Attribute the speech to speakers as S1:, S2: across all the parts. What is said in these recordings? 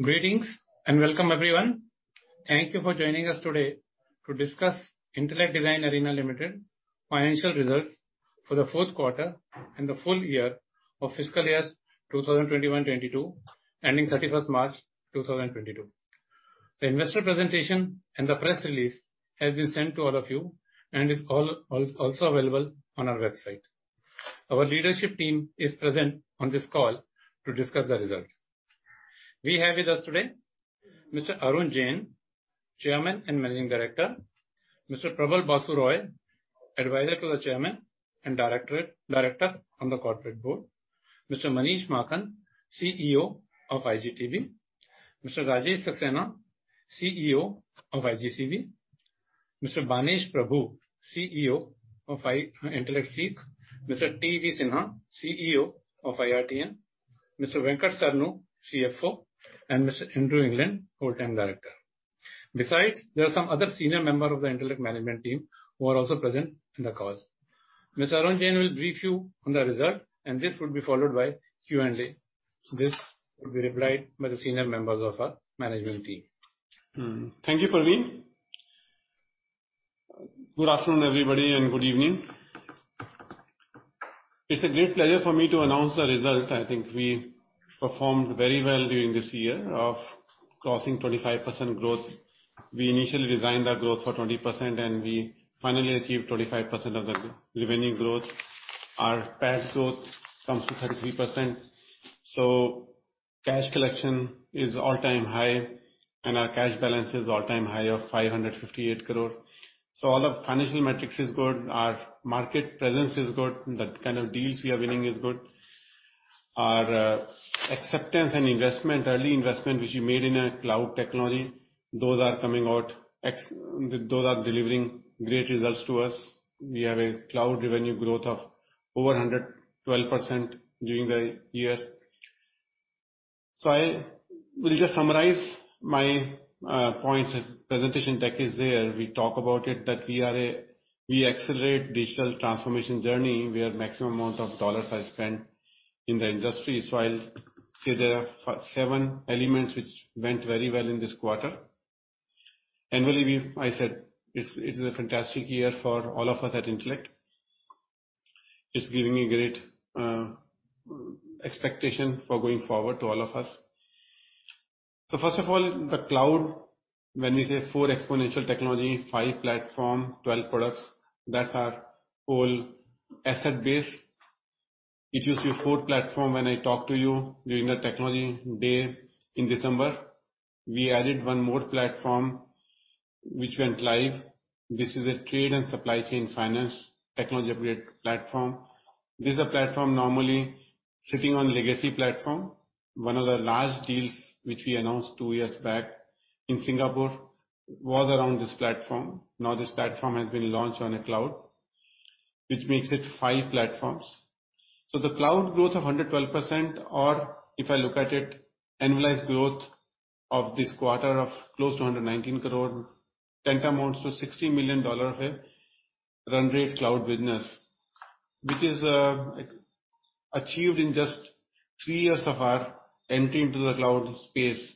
S1: Greetings and welcome, everyone. Thank you for joining us today to discuss Intellect Design Arena Limited financial results for the Q4 and the full-year of fiscal years 2021, 2022, ending 31st March 2022. The investor presentation and the press release has been sent to all of you, and is also available on our website. Our leadership team is present on this call to discuss the results. We have with us today Mr. Arun Jain, Chairman and Managing Director. Mr. Prabal Basu Roy, Advisor to the Chairman and Director on the Corporate Board. Mr. Manish Maakan, CEO of iGTB. Mr. Rajesh Saxena, CEO of IGCB. Mr. Banesh Prabhu, CEO of Intellect SEEC. Mr. T.V. Sinha, CEO of IRTM. Mr. Venkateswarlu Saranu, CFO, and Mr. Andrew England, full-time director. Besides, there are some other senior members of the Intellect management team who are also present in the call. Mr. Arun Jain will brief you on the results and this will be followed by Q&A. This will be replied to by the senior members of our management team.
S2: Thank you, Praveen. Good afternoon, everybody, and good evening. It's a great pleasure for me to announce the result. I think we performed very well during this year of crossing 25% growth. We initially designed that growth for 20% and we finally achieved 25% of the revenue growth. Our PAT growth comes to 33%, so cash collection is all-time high and our cash balance is all-time high of 558 crore. All our financial metrics is good. Our market presence is good. The kind of deals we are winning is good. Our acceptance and early investment which we made in our cloud technology, those are delivering great results to us. We have a cloud revenue growth of over 112% during the year. I will just summarize my points as presentation deck is there. We talk about it that we accelerate digital transformation journey. We are maximum amount of dollars are spent in the industry. I'll say there are 7 elements which went very well in this quarter. Really we've. I said, it's a fantastic year for all of us at Intellect. It's giving me great expectation for going forward to all of us. First of all, the cloud. When we say 4 exponential technology, 5 platform, 12 products, that's our whole asset base. It used to be 4 platform when I talked to you during the technology day in December. We added one more platform which went live. This is a trade and supply chain finance technology upgrade platform. This is a platform normally sitting on legacy platform. One of the large deals which we announced two years back in Singapore was around this platform. This platform has been launched on a cloud, which makes it five platforms. The cloud growth of 112%, or if I look at it, annualized growth of this quarter of close to 119 crore, that amounts to $60 million of a run rate cloud business. Which is achieved in just three years of our entry into the cloud space.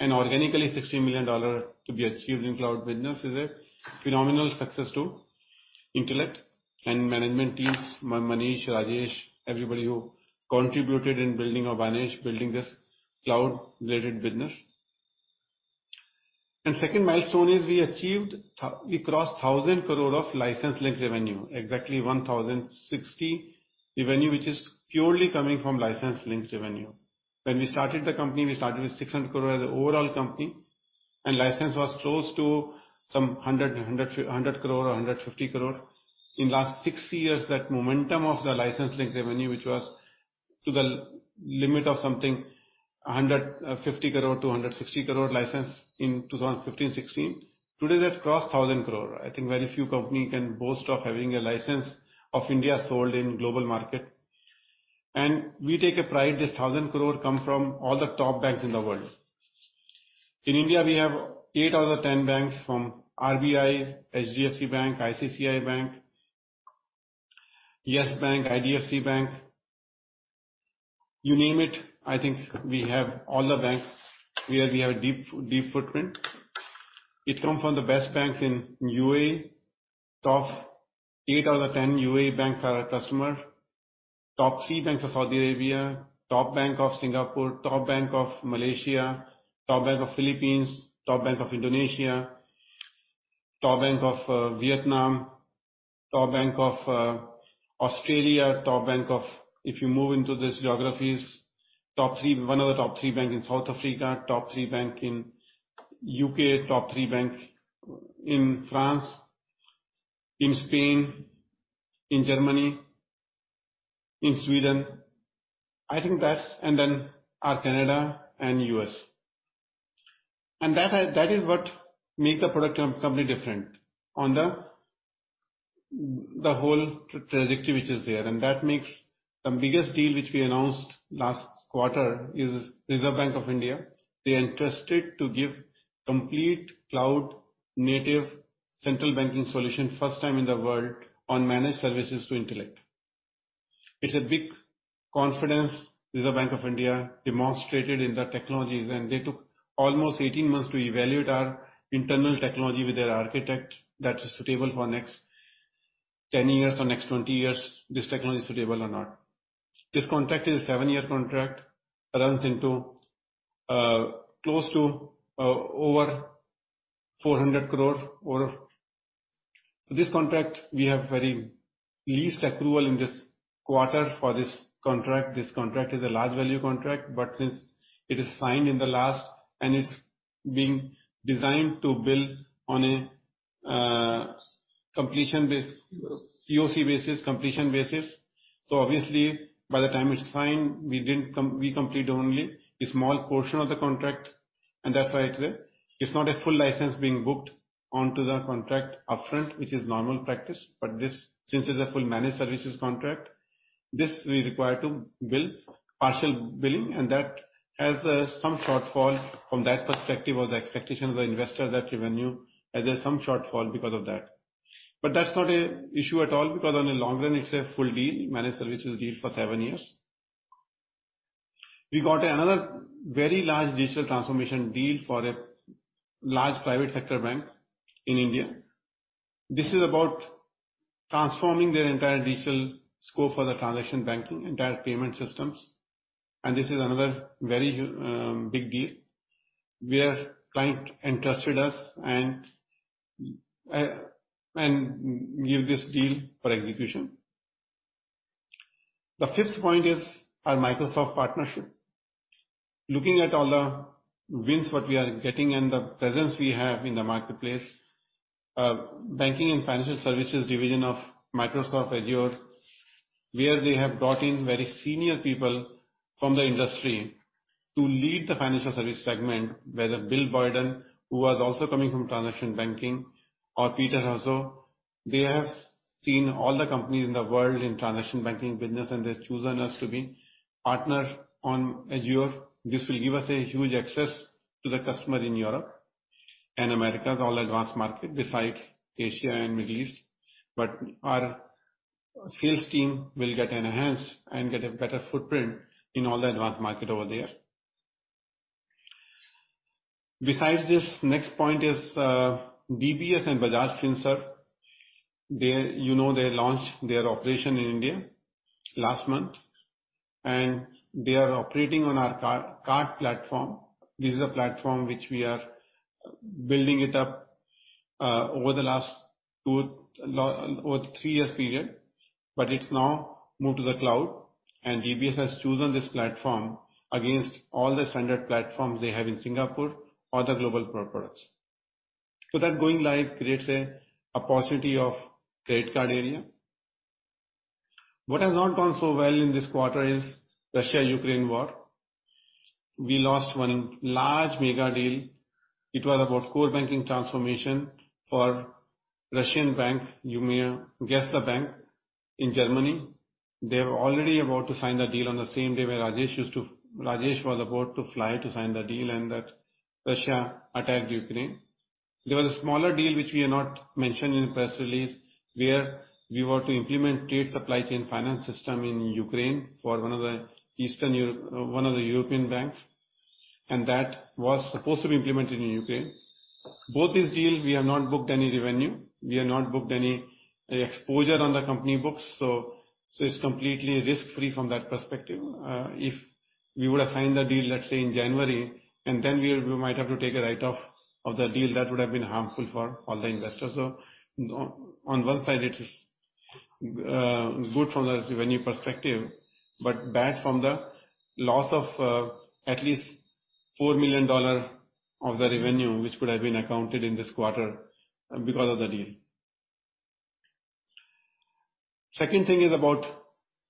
S2: Organically $60 million to be achieved in cloud business is a phenomenal success to Intellect and management teams, Manish, Rajesh, everybody who contributed in building or Banesh, building this cloud-related business. Second milestone is we achieved. We crossed 1,000 crore of license-linked revenue, exactly 1,060 crore revenue, which is purely coming from license-linked revenue. When we started the company, we started with 600 crore as the overall company, and license was close to some hundred crore or 150 crore. In last 6 years, that momentum of the license-linked revenue, which was to the limit of something, 150 crore-160 crore license in 2015-16. Today that crossed 1,000 crore. I think very few company can boast of having a license of India sold in global market. We take a pride, this 1,000 crore come from all the top banks in the world. In India, we have 8 out of the 10 banks from RBI, HDFC Bank, ICICI Bank, Yes Bank, IDFC Bank. You name it, I think we have all the banks where we have deep footprint. It come from the best banks in UAE. Top 8 out of the 10 UAE banks are our customer. Top 3 banks of Saudi Arabia, top bank of Singapore, top bank of Malaysia, top bank of Philippines, top bank of Indonesia, top bank of Vietnam, top bank of Australia. If you move into these geographies, top 3, one of the top 3 bank in South Africa, top 3 bank in U.K., top 3 bank in France, in Spain, in Germany, in Sweden. I think that's. Canada and U.S. That is what make the product company different on the whole trajectory which is there. That makes the biggest deal which we announced last quarter is Reserve Bank of India. They are interested to give complete cloud native central banking solution, first time in the world on managed services to Intellect. It's a big confidence that the Reserve Bank of India demonstrated in the technologies, they took almost 18 months to evaluate our internal technology with their architect that is suitable for next 10 years or next 20 years, this technology is suitable or not. This contract is a 7-year contract, runs into close to over 400 crore. This contract we have received approval in this quarter for this contract. This contract is a large value contract, but since it is signed in the last and it's being designed to build on a completion POC basis. Obviously by the time it's signed, we complete only a small portion of the contract, and that's why it's not a full license being booked onto the contract upfront, which is normal practice. This, since it's a full managed services contract, this we require to bill partial billing and that has some shortfall from that perspective or the expectation of the investor that revenue has some shortfall because of that. That's not an issue at all because in the long-run it's a full deal, managed services deal for seven years. We got another very large digital transformation deal for a large private sector bank in India. This is about transforming their entire digital scope for the transaction banking, entire payment systems, and this is another very big deal where client entrusted us and give this deal for execution. The fifth point is our Microsoft partnership. Looking at all the wins, what we are getting and the presence we have in the marketplace. Banking and financial services division of Microsoft Azure, where they have brought in very senior people from the industry to lead the financial service segment, whether Bill Borden, who was also coming from transaction banking or Peter Russo. They have seen all the companies in the world in transaction banking business and they've chosen us to be partner on Azure. This will give us a huge access to the customer in Europe and America's all advanced market besides Asia and Middle East. Our sales team will get enhanced and get a better footprint in all the advanced market over there. Besides this, next point is, DBS and Bajaj Finserv. They, you know, they launched their operation in India last month and they are operating on our card platform. This is a platform which we are building it up over the last two over three years period, but it's now moved to the cloud and DBS has chosen this platform against all the standard platforms they have in Singapore or the global products. That going live creates a positivity of credit card area. What has not gone so well in this quarter is Russia-Ukraine war. We lost one large mega deal. It was about core banking transformation for Russian bank. You may guess the bank in Germany. They were already about to sign the deal on the same day Rajesh was about to fly to sign the deal and that Russia attacked Ukraine. There was a smaller deal which we have not mentioned in the press release, where we were to implement trade supply chain finance system in Ukraine for one of the European banks, and that was supposed to be implemented in Ukraine. Both these deal, we have not booked any revenue, we have not booked any exposure on the company books, so it's completely risk-free from that perspective. If we would have signed the deal, let's say in January, and then we might have to take a write-off of the deal that would have been harmful for all the investors. On one side it is good from the revenue perspective, but bad from the loss of at least $4 million of the revenue which could have been accounted in this quarter because of the deal. Second thing is about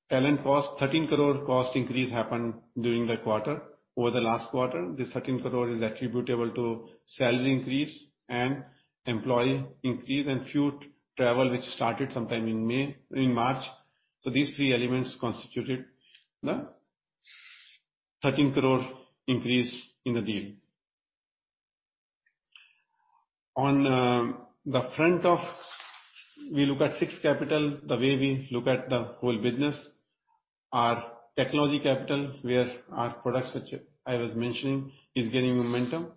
S2: talent cost. 13 crore cost increase happened during the quarter. Over the last quarter, this 13 crore is attributable to salary increase and employee increase and few travel, which started sometime in March. These three elements constituted the 13 crore increase in the deal. On the front of we look at six-capital, the way we look at the whole business, our technology capital, where our products which I was mentioning is gaining momentum.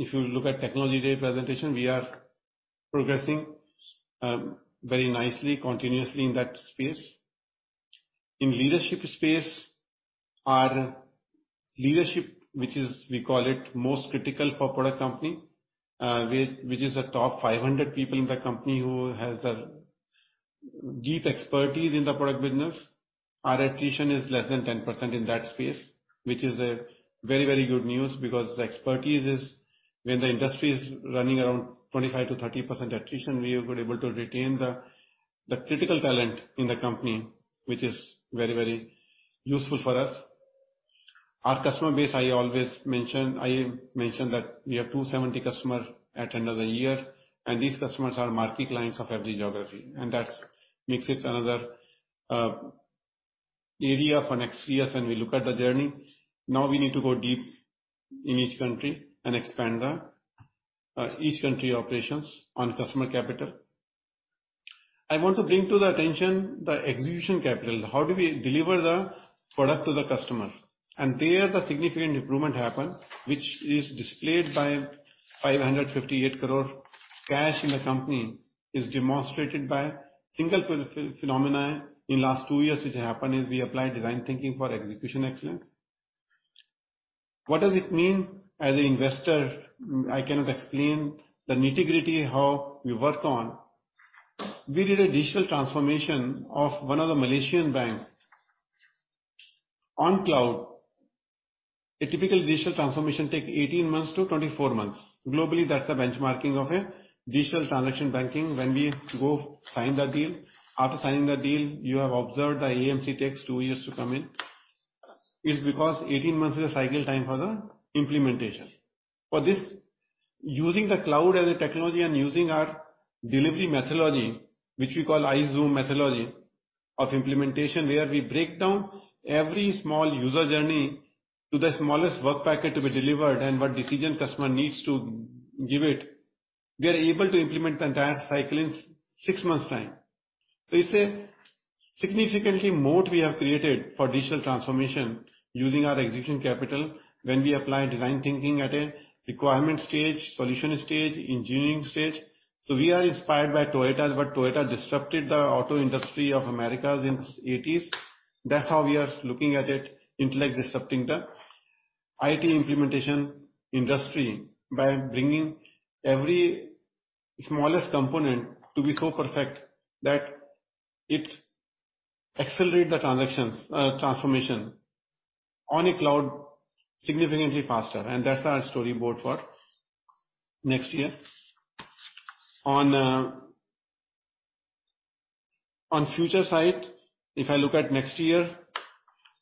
S2: If you look at Technology Day presentation, we are progressing very nicely continuously in that space. In leadership space, our leadership which is we call it most critical for product company, which is the top 500 people in the company who has a deep expertise in the product business. Our attrition is less than 10% in that space, which is a very, very good news because the expertise is when the industry is running around 25%-30% attrition, we were able to retain the critical talent in the company, which is very, very useful for us. Our customer base, I always mention, I mentioned that we have 270 customers at end of the year, and these customers are marquee clients of every geography, and that makes it another area for next years and we look at the journey. Now we need to go deep in each country and expand the each country operations on customer capital. I want to bring to the attention the execution capital. How do we deliver the product to the customer? There, the significant improvement happened, which is displayed by 558 crore cash in the company is demonstrated by single-phenomenon in last two years which happened, is we applied design thinking for execution excellence. What does it mean? As an investor, I cannot explain the nitty-gritty how we work on. We did a digital transformation of one of the Malaysian banks on cloud. A typical digital transformation take 18-24 months. Globally, that's the benchmarking of a digital transaction banking when we go sign the deal. After signing the deal, you have observed the AMC takes 2 years to come in. It's because 18 months is a cycle time for the implementation. For this, using the cloud as a technology and using our delivery methodology, which we call iZoom methodology of implementation, where we break down every small user journey to the smallest work packet to be delivered and what decision customer needs to give it, we are able to implement the entire cycle in six months time. It's a significantly moat we have created for digital transformation using our execution capital when we apply design thinking at a requirement stage, solution stage, engineering stage. We are inspired by Toyota, where Toyota disrupted the auto industry of America's in eighties. That's how we are looking at it, Intellect disrupting the IT implementation industry by bringing every smallest component to be so perfect that it accelerate the transactions, transformation on a cloud significantly faster. That's our storyboard for next year. On future side, if I look at next year,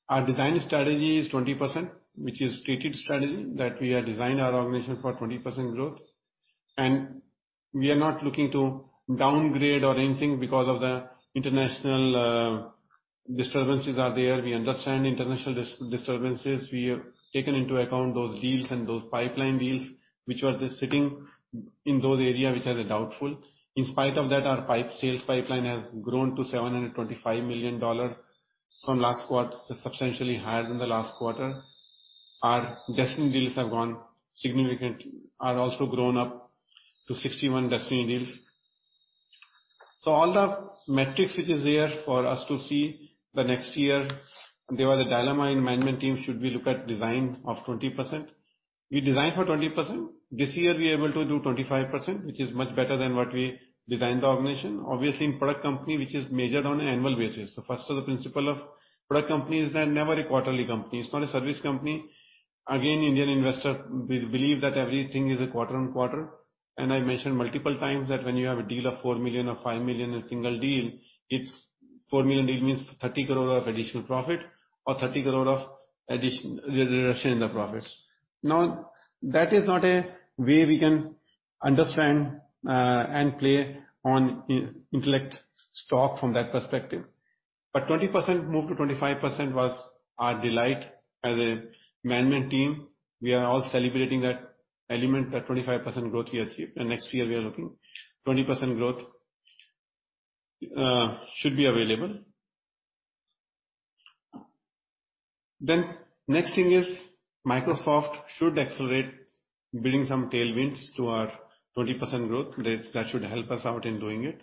S2: our designed strategy is 20%, which is stated strategy that we have designed our organization for 20% growth. We are not looking to downgrade or anything because of the international disturbances. We understand international disturbances. We have taken into account those deals and those pipeline deals which were just sitting in those areas which are doubtful. In spite of that, our sales pipeline has grown to $725 million from last quarter, substantially higher than the last quarter. Our destiny deals have grown significantly to 61 destiny deals. All the metrics which are there for us to see next year, there was a dilemma in management team, should we look at design of 20%? We designed for 20%. This year we are able to do 25%, which is much better than what we designed the organization. Obviously, in product company, which is measured on annual basis. The first of the principle of product company is they're never a quarterly company. It's not a service company. Indian investor believe that everything is a quarter-on-quarter. I mentioned multiple times that when you have a deal of $4 million or $5 million in single deal, it's $4 million deal means 30 crore of additional profit or 30 crore of addition or reduction in the profits. Now, that is not a way we can understand and play on Intellect stock from that perspective. Twenty percent moved to 25% was our delight as a management team. We are all celebrating that element, that 25% growth we achieved. Next year we are looking 20% growth, should be available. Next thing is Microsoft should accelerate bringing some tailwinds to our 20% growth. That should help us out in doing it.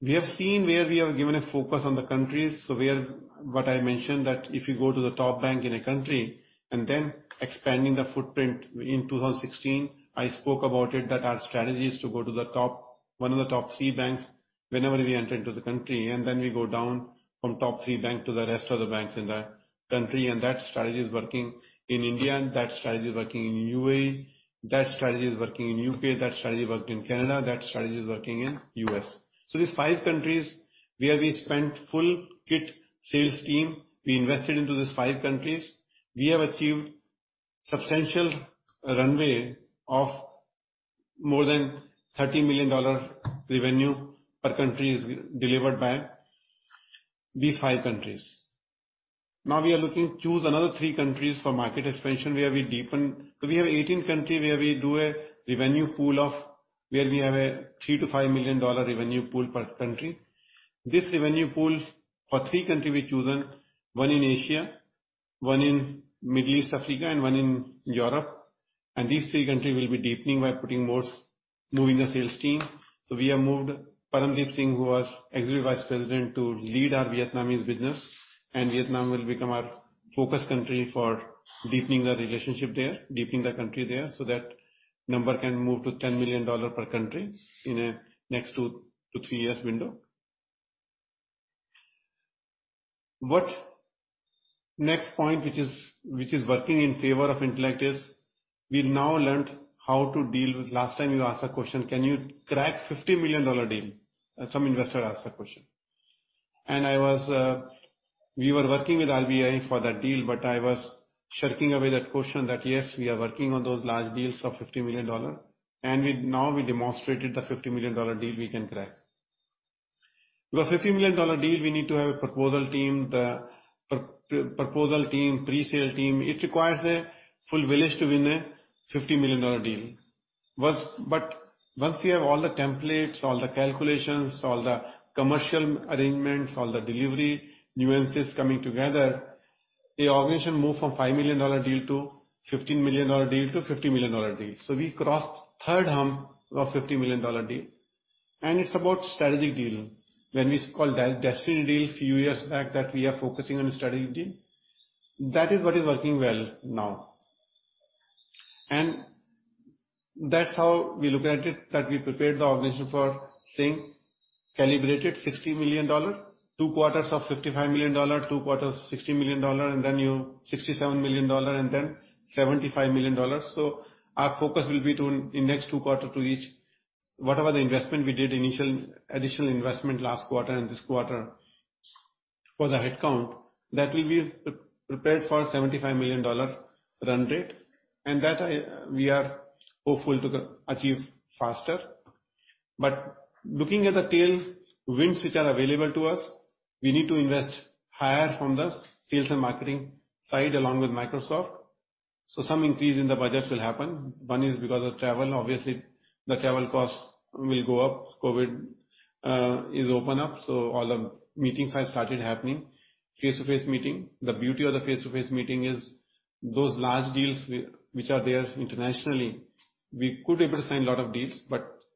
S2: We have seen where we have given a focus on the countries. What I mentioned that if you go to the top bank in a country and then expanding the footprint. In 2016, I spoke about it that our strategy is to go to the top, one of the top three banks whenever we enter into the country, and then we go down from top three bank to the rest of the banks in that country. That strategy is working in India, that strategy is working in UAE, that strategy is working in UK, that strategy worked in Canada, that strategy is working in US. These 5 countries where we sent full kit sales team, we invested into these 5 countries. We have achieved substantial run rate of more than $30 million revenue per country delivered by these 5 countries. Now we are looking to choose another 3 countries for market expansion, where we deepen. We have 18 countries where we have a $3 million-$5 million revenue pool per country. This revenue pool for 3 countries we've chosen, 1 in Asia, 1 in Middle East, Africa, and 1 in Europe. These 3 countries will be deepening by putting more, moving the sales team. We have moved Paramdeep Singh, who was Executive Vice President, to lead our Vietnamese business. Vietnam will become our focus country for deepening the relationship there, so that number can move to $10 million per country in a next 2-3 years window. What next point which is working in favor of Intellect is we've now learned how to deal with. Last time you asked a question, "Can you crack $50 million deal?" Some investor asked that question. I was, we were working with RBI for that deal, but I was shirking away that question that, yes, we are working on those large deals of $50 million. We've now demonstrated the $50-million-dollar deal we can crack. The $50-million-dollar deal we need to have a proposal team, the pro-proposal team, pre-sale team. It requires a full village to win a $50-million-dollar deal. Once. Once you have all the templates, all the calculations, all the commercial arrangements, all the delivery nuances coming together, the organization move from $5 million deal to $15 million deal to $50 million deal. We crossed third hump of a $50 million deal, and it's about strategic dealing. When we call that destiny deal few years back that we are focusing on strategic deal, that is what is working well now. That's how we look at it, that we prepared the organization for saying calibrated $60 million, two quarters of $55 million, two quarters $60 million, and then sixty-seven million dollar and then $75 million. Our focus will be to, in next two quarter, to reach whatever the investment we did initial, additional investment last quarter and this quarter for the headcount that will be prepared for a $75 million run rate. We are hopeful to achieve faster. Looking at the tailwinds which are available to us, we need to invest higher from the sales and marketing side, along with Microsoft. Some increase in the budgets will happen. One is because of travel. Obviously, the travel costs will go up. COVID is opening up, so all the meetings have started happening. Face-to-face meeting. The beauty of the face-to-face meeting is those large deals which are there internationally, we were able to sign a lot of deals.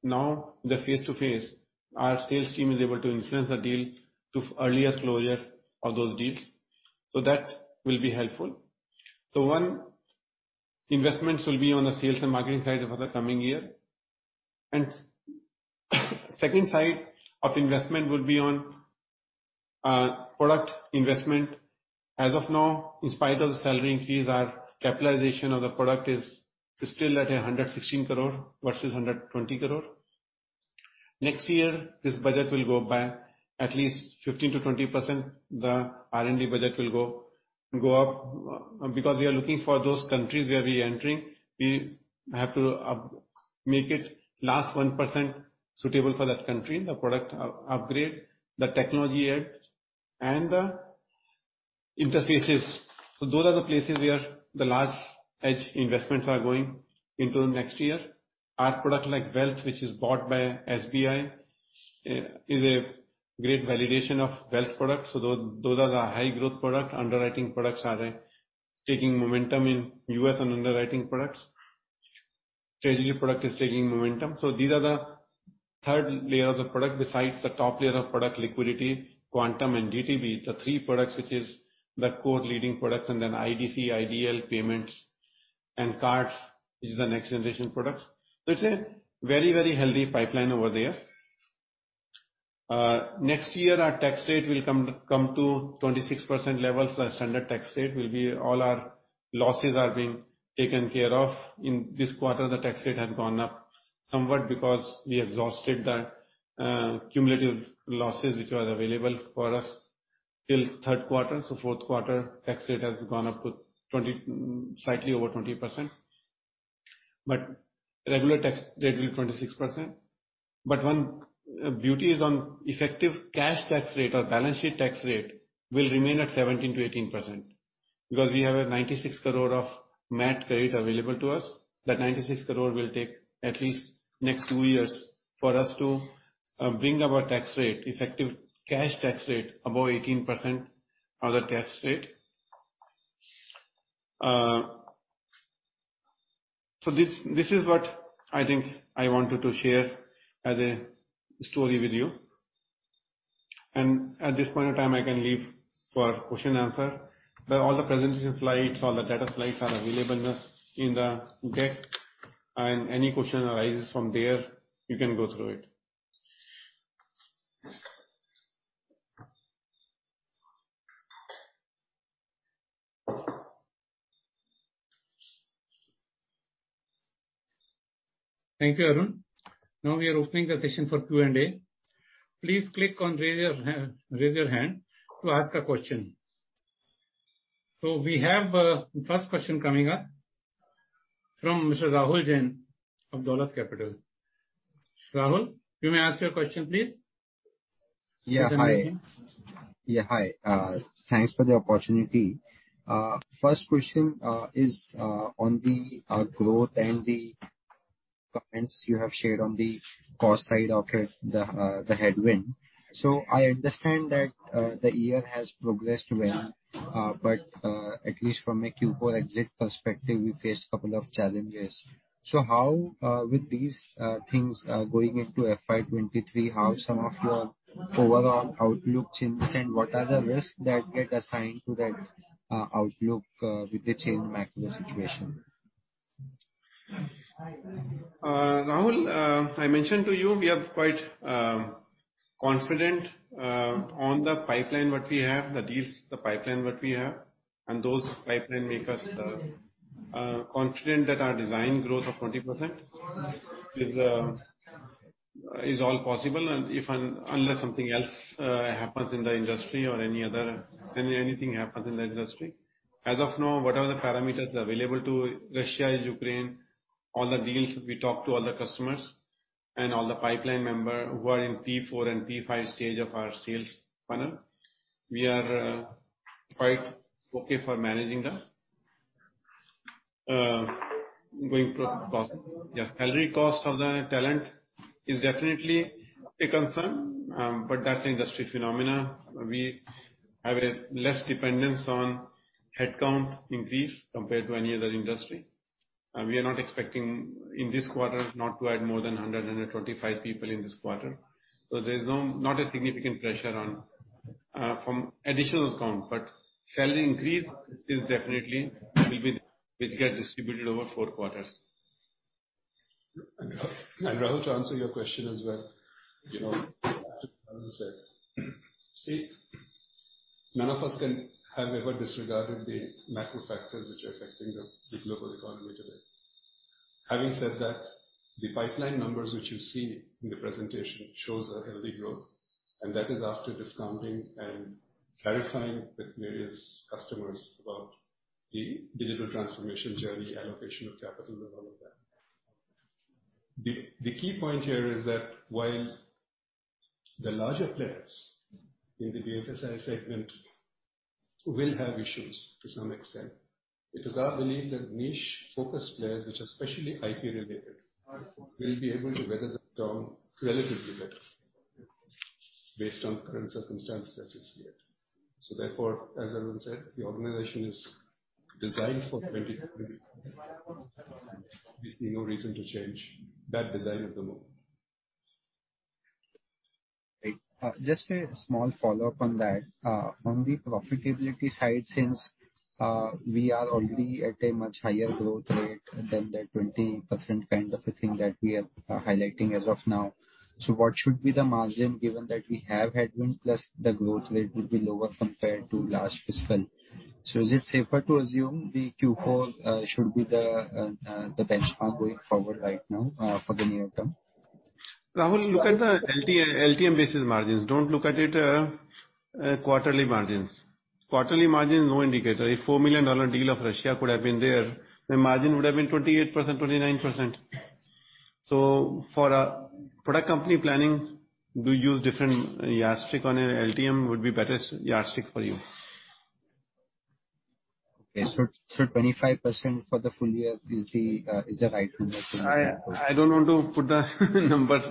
S2: Now, face-to-face, our sales team is able to influence the deal to earlier closure of those deals. That will be helpful. Investments will be on the sales and marketing side over the coming year. Second side of investment will be on product investment. As of now, in spite of the salary increase, our capitalization of the product is still at 116 crore versus 120 crore. Next year this budget will go up by at least 15%-20%. The R&D budget will go up because we are looking for those countries where we're entering. We have to make it 100% suitable for that country, the product upgrade, the technology edge and the interfaces. Those are the places where the large R&D investments are going into next year. Our product like Wealth, which is bought by SBI, is a great validation of Wealth products. Those are the high-growth products. Underwriting products are taking momentum in US and Treasury products. Treasury product is taking momentum. These are the third layers of product besides the top-layer of product liquidity, Quantum and DTB, the three products which is the core leading products, and then IDC, IDL, payments and cards is the next generation products. It's a very, very healthy pipeline over there. Next year our tax rate will come to 26% levels. Our standard tax rate will be all our losses are being taken care of. In this quarter, the tax rate has gone up somewhat because we exhausted the cumulative losses which were available for us till Q3. Q4 tax rate has gone up to slightly over 20%. Regular tax rate will be 26%. One beauty is on effective cash tax rate or balance sheet tax rate will remain at 17%-18% because we have 96 crore of MAT credit available to us. That 96 crore will take at least next 2 years for us to bring our tax rate, effective cash tax rate above 18% of the tax rate. So this is what I think I wanted to share as a story with you. At this point in time, I can leave for question answer. All the presentation slides, all the data slides are available in this, in the deck, and any question arises from there, you can go through it.
S1: Thank you, Arun. Now we are opening the session for Q&A. Please click on raise your hand, raise your hand to ask a question. We have first question coming up from Mr. Rahul Jain of Dolat Capital. Rahul, you may ask your question, please.
S3: Hi. Thanks for the opportunity. First question is on the growth and the comments you have shared on the cost side of yours, the headwind. I understand that the year has progressed well, but at least from a Q4 exit perspective, we faced a couple of challenges. How, with these things going into FY 2023, does your overall outlook change and what are the risks that get assigned to that outlook with the changing macro situation?
S2: Rahul, I mentioned to you we are quite confident on the pipeline what we have. The deals, the pipeline what we have and those pipeline make us confident that our desired growth of 20% is all possible and unless something else happens in the industry or anything happens in the industry. As of now, whatever the parameters available to Russia and Ukraine, all the deals we talked to all the customers and all the pipeline member who are in P4 and P5 stage of our sales funnel, we are quite okay for managing that. Going to cost. Yes, salary cost of the talent is definitely a concern, but that's industry phenomenon. We have a less dependence on headcount increase compared to any other industry. We are not expecting in this quarter not to add more than 125 people in this quarter. There's no significant pressure on from additional count, but salary increase is definitely will be, which get distributed over 4 quarters.
S4: Rahul, to answer your question as well, you know, as Arun said see, none of us can have ever disregarded the macro factors which are affecting the global economy today. Having said that, the pipeline numbers which you see in the presentation shows a healthy growth, and that is after discounting and clarifying with various customers about the digital transformation journey, allocation of capital and all of that. The key point here is that while the larger players in the BFSI segment will have issues to some extent, it is our belief that niche-focused players, which are especially IT related, will be able to weather the storm relatively better based on current circumstances as it's yet. Therefore, as Arun said, the organization is designed for 2020. We see no reason to change that design at the moment.
S3: Right. Just a small follow-up on that. On the profitability side, since we are already at a much higher-growth rate than the 20% kind of a thing that we are highlighting as of now. What should be the margin given that we have headwind plus the growth rate will be lower compared to last fiscal? Is it safer to assume the Q4 should be the benchmark going forward right now for the near term?
S2: Rahul, look at the LTM basis margins. Don't look at it quarterly margins. Quarterly margin is no indicator. A $4 million deal of Russia could have been there. The margin would have been 28%, 29%. For a product company planning, do use different yardstick on a LTM would be better yardstick for you.
S3: 25% for the full-year is the right number for next quarter?
S2: I don't want to put the numbers,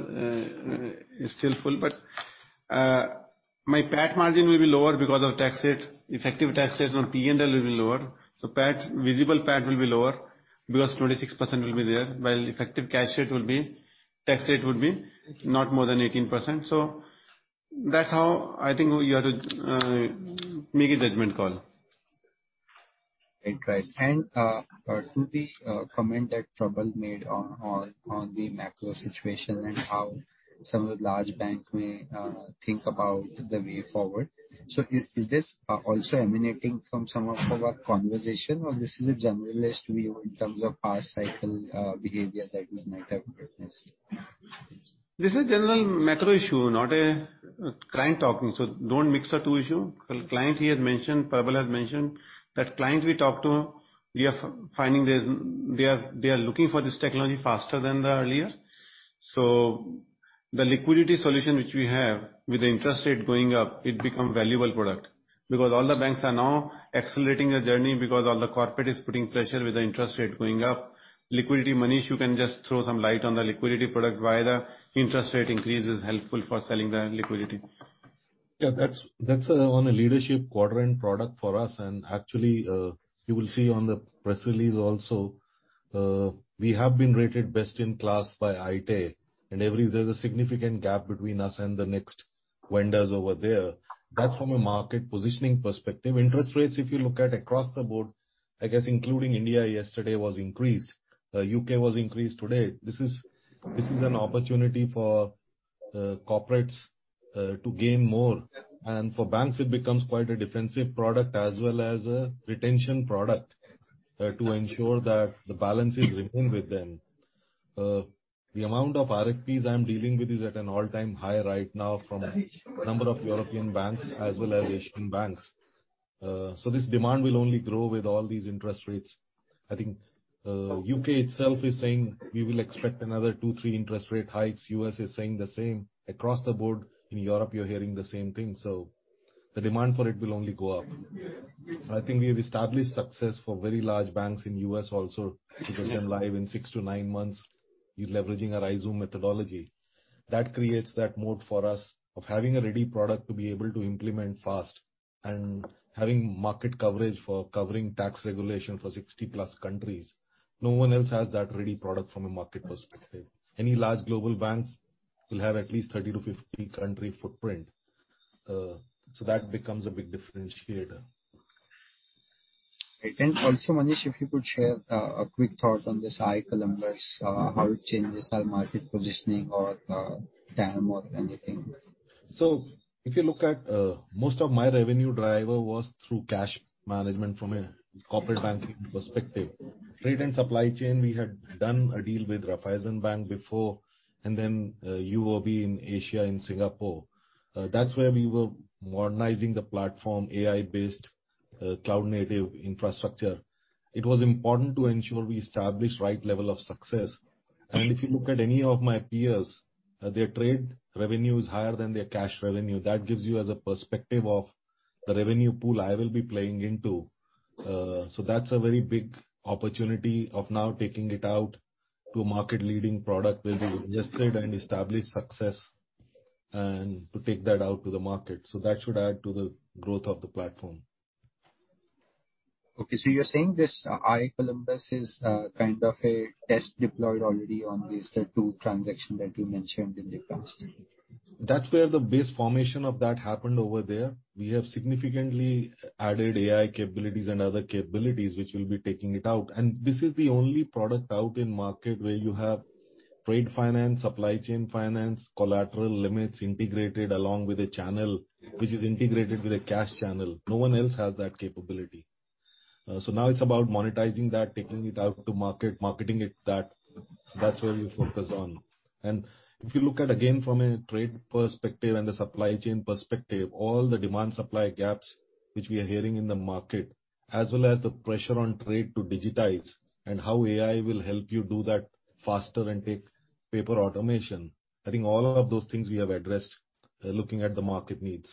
S2: but my PAT margin will be lower because of tax rate. Effective tax rate on PNL will be lower. PAT, visible PAT will be lower because 26% will be there, while effective tax rate will be not more than 18%. That's how I think you have to make a judgment call.
S3: Right. To the comment that Prabal made on the macro situation and how some of the large banks may think about the way forward. Is this also emanating from some of our conversation or this is a generalist view in terms of past cycle behavior that we might have witnessed?
S2: This is a general macro issue, not a client talking. Don't mix the two issues. The client he has mentioned, Prabal has mentioned, that clients we talk to, we are finding they are looking for this technology faster than the earlier. The liquidity solution which we have with the interest rate going up, it become valuable product because all the banks are now accelerating their journey because all the corporate is putting pressure with the interest rate going up. Liquidity, Manish, you can just throw some light on the liquidity product, why the interest rate increase is helpful for selling the liquidity.
S4: Yeah, that's on a leadership quadrant product for us. Actually, you will see on the press release also, we have been rated best in class by ITA, and there's a significant gap between us and the next vendors over there. That's from a market positioning perspective. Interest rates, if you look across the board, I guess including India yesterday was increased. UK was increased today. This is an opportunity for corporates to gain more. For banks, it becomes quite a defensive product as well as a retention product to ensure that the balance is remaining with them. The amount of RFPs I'm dealing with is at an all-time high right now from a number of European banks as well as Asian banks. This demand will only grow with all these interest rates. I think, U.K. itself is saying we will expect another 2-3 interest rate hikes. U.S. is saying the same. Across the board in Europe, you're hearing the same thing. The demand for it will only go up. I think we have established success for very large banks in U.S. also to get them live in 6-9 months, by leveraging our iZoom methodology. That creates that moat for us of having a ready product to be able to implement fast and having market coverage for covering tax regulation for 60+ countries. No one else has that ready product from a market perspective. Any large global banks will have at least 30-50 country footprint. That becomes a big differentiator.
S3: Right. Also, Manish, if you could share a quick thought on this iColumbus.ai numbers, how it changes our market positioning or TAM or anything.
S2: If you look at most of my revenue driver was through cash management from a corporate banking perspective. Trade and supply chain, we had done a deal with Raiffeisen Bank before, and then UOB in Asia and Singapore. That's where we were modernizing the platform, AI-based cloud-native infrastructure. It was important to ensure we establish right level of success. If you look at any of my peers, their trade revenue is higher than their cash revenue. That gives you as a perspective of the revenue pool I will be playing into. That's a very big opportunity of now taking it out to a market-leading product where we've invested and established success, and to take that out to the market. That should add to the growth of the platform.
S3: Okay, you're saying this iColumbus.ai is kind of a test deployed already on these two transactions that you mentioned in the past?
S2: That's where the base formation of that happened over there. We have significantly added AI capabilities and other capabilities which we'll be taking it out. This is the only product out in market where you have trade finance, supply chain finance, collateral limits integrated along with a channel which is integrated with a cash channel. No one else has that capability. Now it's about monetizing that, taking it out to market, marketing it that. That's where we focus on. If you look at, again, from a trade perspective and a supply chain perspective, all the demand-supply gaps which we are hearing in the market, as well as the pressure on trade to digitize and how AI will help you do that faster and take paper automation, I think all of those things we have addressed, looking at the market needs.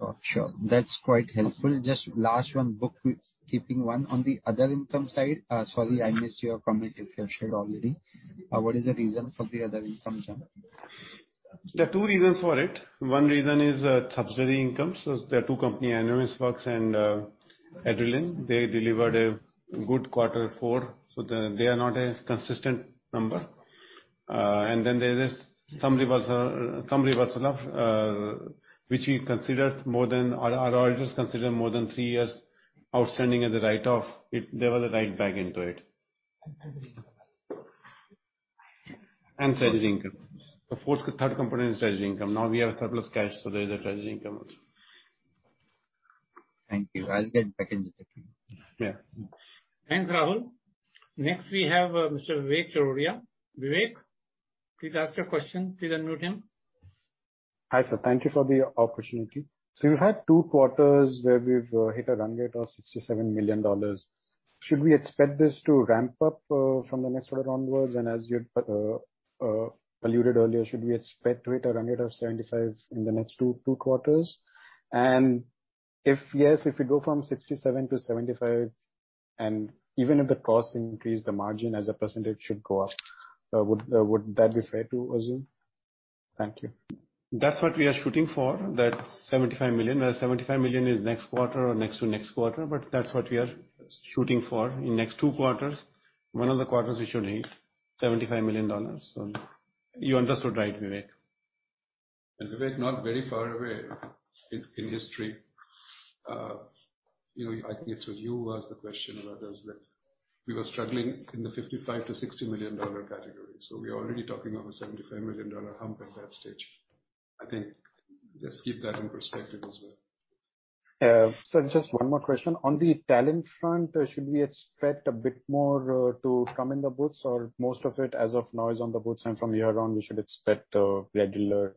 S3: Oh, sure. That's quite helpful. Just last one, bookkeeping one. On the other income side, sorry I missed your comment if you have shared already. What is the reason for the other income jump?
S2: There are two reasons for it. One reason is subsidy income. There are two companies, Anovis Fox and Adrenaline. They delivered a good quarter four, so they are not a consistent number. There is some reversal of which we considered more than three years outstanding as a write-off. Our auditors consider more than three years outstanding as a write-off. They were written back into it. Treasury income. Treasury income. The third component is treasury income. Now we have a surplus cash, so there is a treasury income also.
S3: Thank you. I'll get back in a sec.
S2: Yeah.
S1: Thanks, Rahul. Next, we have Mr. Vivek Cherian. Vivek, please ask your question. Please unmute him.
S5: Hi, sir. Thank you for the opportunity. You had two quarters where we've hit a run rate of $67 million. Should we expect this to ramp up from the next quarter onwards? As you'd alluded earlier, should we expect to hit a run rate of $75 million in the next two quarters? If yes, if you go from 67 to 75, and even if the costs increase, the margin as a percentage should go up. Would that be fair to assume? Thank you.
S2: That's what we are shooting for, that $75 million. Whether $75 million is next quarter or next to next quarter, but that's what we are shooting for in next two quarters. One of the quarters we should hit $75 million. You understood right, Vivek. Vivek, not very far away in history, you know, I think it was you who asked the question about those that we were struggling in the $55 million-$60 million category. We're already talking of a $75 million hump at that stage. I think just keep that in perspective as well.
S5: Sir, just one more question. On the talent front, should we expect a bit more to come in the books or most of it as of now is on the books and from here on, we should expect regular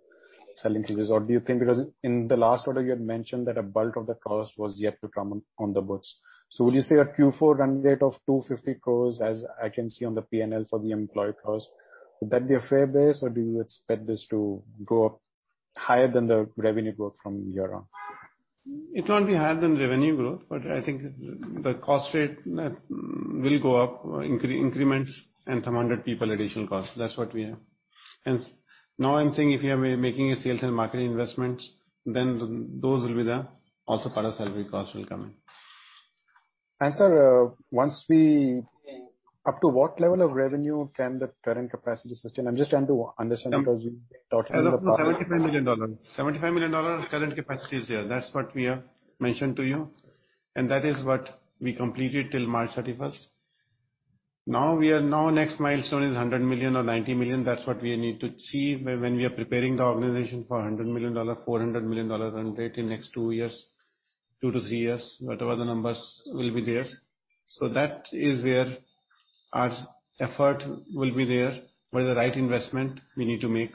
S5: selling pieces? Or do you think? Because in the last quarter, you had mentioned that a bulk of the cost was yet to come on the books. Would you say a Q4 run rate of 250 crores, as I can see on the P&L for the employee cost, would that be a fair base, or do you expect this to go up higher than the revenue growth from here on?
S2: It won't be higher than revenue growth, but I think the cost rate will go up in increments and some hundred people additional cost. That's what we have. Now I'm saying if you are making a sales and marketing investment, then those will be there. Also part of salary cost will come in.
S5: Sir, up to what level of revenue can the current capacity sustain? I'm just trying to understand because you talked about-
S2: As of now, $75 million. $75 million current capacity is there. That's what we have mentioned to you. That is what we completed till March 31. Now we are next milestone is 100 million or 90 million. That's what we need to achieve when we are preparing the organization for $100 million, $400 million run rate in next 2 years, 2-3 years, whatever the numbers will be there. That is where our effort will be there for the right investment we need to make.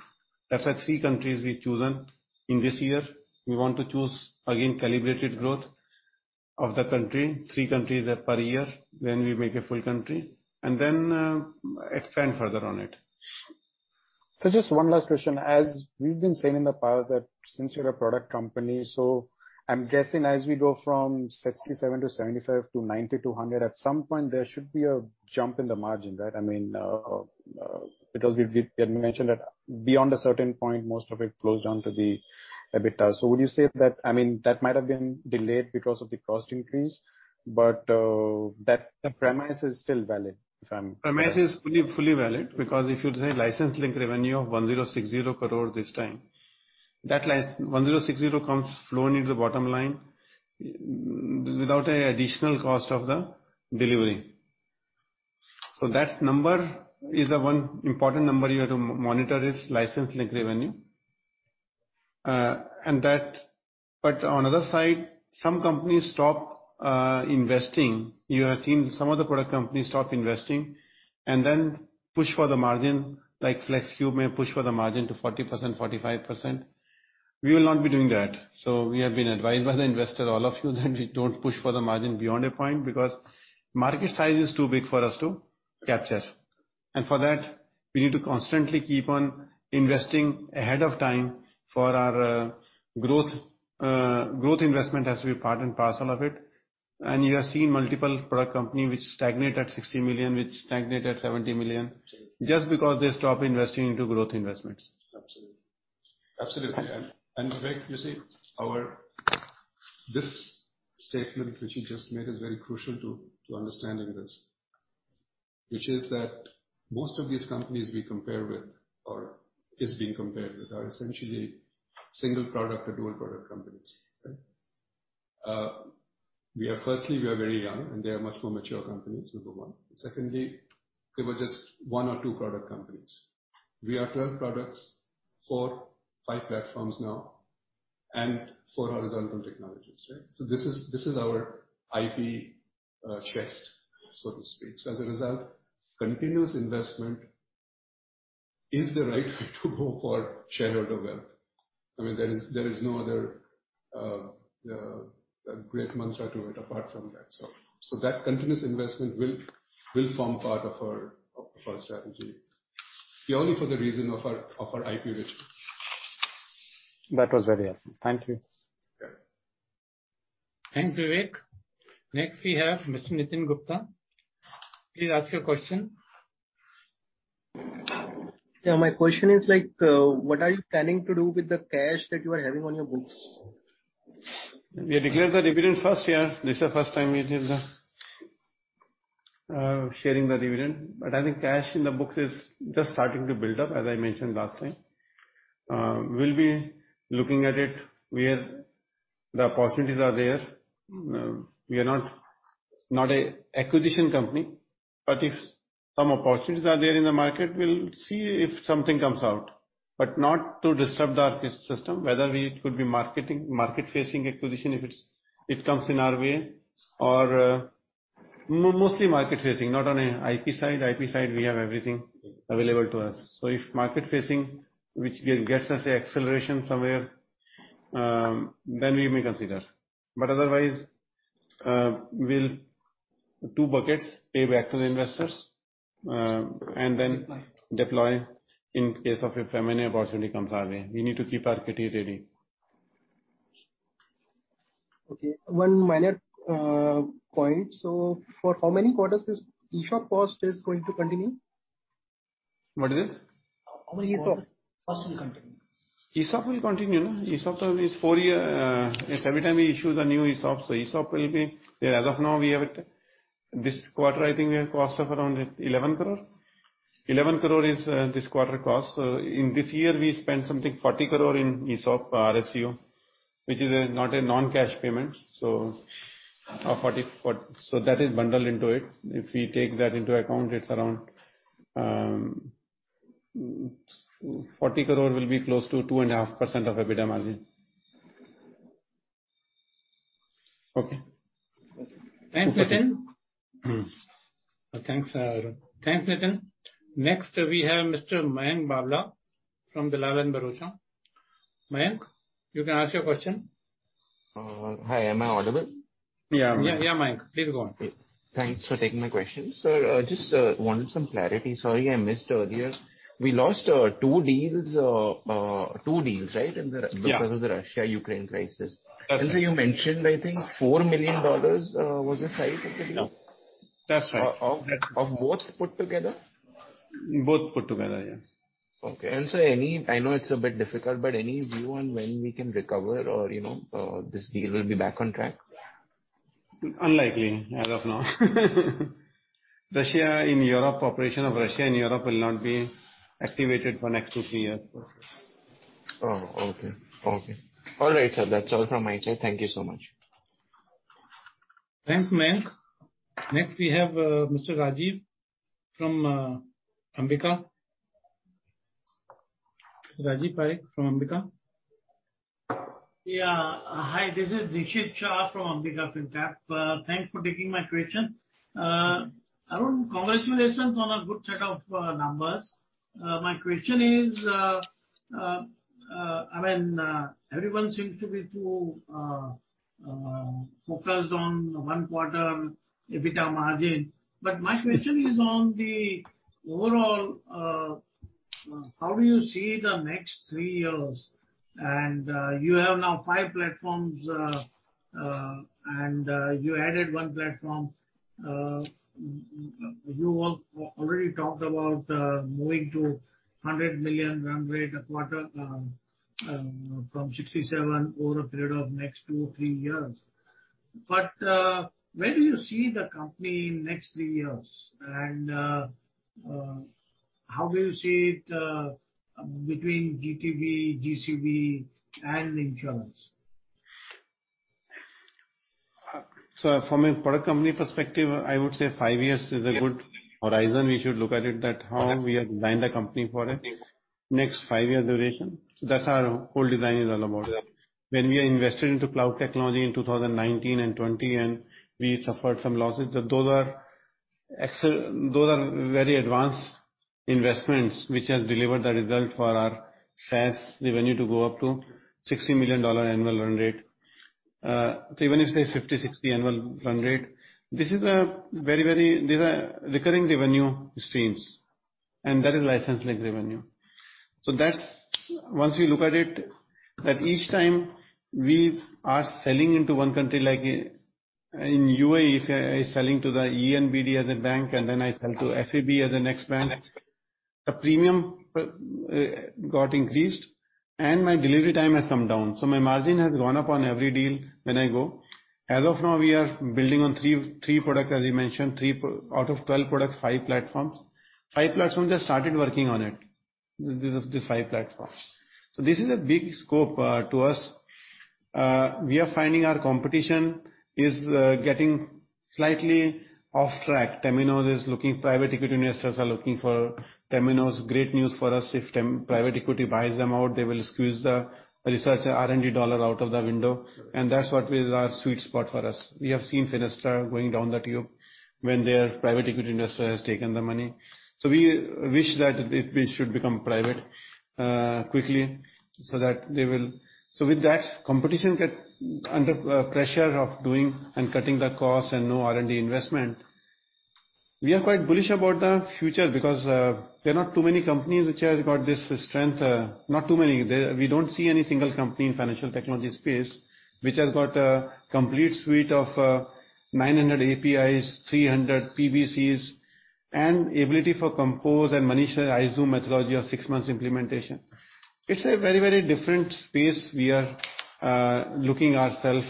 S2: That's at 3 countries we've chosen. In this year we want to choose again calibrated growth of the country, 3 countries, per year when we make a full country and then expand further on it.
S5: Just one last question. As you've been saying in the past that since you're a product company, so I'm guessing as we go from 67 to 75 to 90 to 100, at some point there should be a jump in the margin, right? I mean, because we had mentioned that beyond a certain point, most of it flows down to the EBITDA. Would you say that, I mean, that might have been delayed because of the cost increase, but, that, the premise is still valid, if I'm-
S2: Premise is fully valid because if you say license-linked revenue of 1,060 crore this time, that 1,060 comes flowing into the bottom-line without any additional cost of the delivery. So that number is the one important number you have to monitor is license-linked revenue. But on other side, some companies stop investing. You have seen some of the product companies stop investing and then push for the margin, like FLEXCUBE may push for the margin to 40%-45%. We will not be doing that. We have been advised by the investors, all of you, that we don't push for the margin beyond a point because market size is too big for us to capture. For that we need to constantly keep on investing ahead of time for our growth. Growth investment has to be part and parcel of it. You have seen multiple product company which stagnate at 60 million, which stagnate at 70 million just because they stop investing into growth investments.
S4: Absolutely. Vivek, you see our this statement which you just made is very crucial to understanding this, which is that most of these companies we compare with or is being compared with are essentially single-product or dual-product companies, right? We are firstly, we are very young and they are much more mature companies, number one. Secondly, they were just 1 or 2 product companies. We are 12 products, 4, 5 platforms now and 4 horizontal technologies, right? This is our IP chest, so to speak. As a result, continuous investment is the right way to go for shareholder wealth. I mean, there is no other great mantra to it apart from that. That continuous investment will form part of our strategy purely for the reason of our IP richness.
S6: That was very helpful. Thank you.
S4: Sure.
S1: Thanks, Vivek. Next we have Mr. Nitin Gupta. Please ask your question.
S7: Yeah, my question is like, what are you planning to do with the cash that you are having on your books?
S2: We declare the dividend first, yeah. This is the first time we did the sharing the dividend. I think cash in the books is just starting to build up, as I mentioned last time. We'll be looking at it where the opportunities are there. We are not a acquisition company, but if some opportunities are there in the market, we'll see if something comes out. Not to disturb the arcus system, whether we could be market facing acquisition, if it comes in our way or mostly market facing, not on a IP side. IP side we have everything available to us. So if market facing, which gets us a acceleration somewhere, then we may consider. Otherwise, we'll two buckets pay back to the investors, and then-
S7: Deploy.
S2: Deploy in case of a phenomenal opportunity comes our way. We need to keep our kitty ready.
S7: Okay, one minor point. For how many quarters this ESOP cost is going to continue?
S2: What is it?
S7: How many ESOP costs will continue?
S2: ESOP will continue. ESOP is 4-year, every time we issue the new ESOP. ESOP will be. As of now, we have it this quarter I think cost of around 11 crore. 11 crore is this quarter cost. In this year we spent something 40 crore in ESOP RSU, which is not a non-cash payment. Our 40 crore is bundled into it. If we take that into account, 40 crore will be close to 2.5% of EBITDA margin.
S7: Okay.
S1: Thanks, Nitin. Thanks, Arun. Thanks, Nitin. Next, we have Mr. Mayank Babla from Dalal & Broacha. Mayank, you can ask your question.
S8: Hi. Am I audible?
S1: Yeah. Yeah, Mayank, please go on.
S8: Thanks for taking my question. Sir, just wanted some clarity. Sorry I missed earlier. We lost two deals right in the-
S2: Yeah.
S8: Because of the Russia-Ukraine crisis.
S2: Absolutely.
S8: You mentioned I think $4 million was the size of the deal?
S2: No. That's right.
S8: Of both put together?
S2: Both put together, yeah.
S8: I know it's a bit difficult, but any view on when we can recover or, you know, this deal will be back on track?
S2: Unlikely as of now. Russia in Europe, operation of Russia and Europe will not be activated for next 2, 3 years.
S8: Oh, okay. All right, sir. That's all from my side. Thank you so much.
S1: Thanks, Mayank. Next we have Mr. Rajiv Parekh from Ambika. Rajiv Parekh from Ambika.
S9: Yeah. Hi, this is Nishit Shah from Ambika Fincap. Thanks for taking my question. Arun, congratulations on a good set of numbers. My question is, I mean, everyone seems to be too focused on one quarter EBITDA margin, but my question is on the overall, how do you see the next three years? You have now five platforms, and you added one platform. You already talked about moving to $100 million run rate a quarter, from $67 over a period of next two or three years. But where do you see the company in next three years? How do you see it between GTV, GCV and insurance?
S2: From a product company perspective, I would say five years is a good horizon. We should look at it that how we have designed the company for it.
S9: Yes.
S2: Next five-year duration. That's our whole design is all about.
S9: Correct.
S2: When we invested into cloud technology in 2019 and 2020, and we suffered some losses, those are very advanced investments which has delivered the result for our SaaS revenue to go up to $60 million annual run rate. Even if, say, $50-$60 annual run rate, this is a very. These are recurring revenue streams, and that is license-led revenue. That's, once we look at it, that each time we are selling into one country, like, in UAE, if I'm selling to the ENBD as a bank, and then I sell to FAB as the next bank.
S4: Next.
S2: The premium got increased and my delivery time has come down, so my margin has gone up on every deal when I go. As of now, we are building on three products, as you mentioned, three out of 12 products, five platforms. Five platforms just started working on it. The five platforms. So this is a big scope to us. We are finding our competition is getting slightly off track. Temenos is looking, private equity investors are looking for Temenos. Great news for us. If private equity buys them out, they will squeeze the research R&D dollar out of the window. That's what is our sweet spot for us. We have seen Finastra going down the tube when their private equity investor has taken the money. We wish that it should become private quickly so that with that competition get under pressure of doing and cutting the costs and no R&D investment. We are quite bullish about the future because there are not too many companies which has got this strength, not too many. We don't see any single company in financial technology space which has got a complete suite of 900 APIs, 300 PBCs, and ability for composable and iZoom methodology of 6 months implementation. It's a very, very different space we are looking ourselves.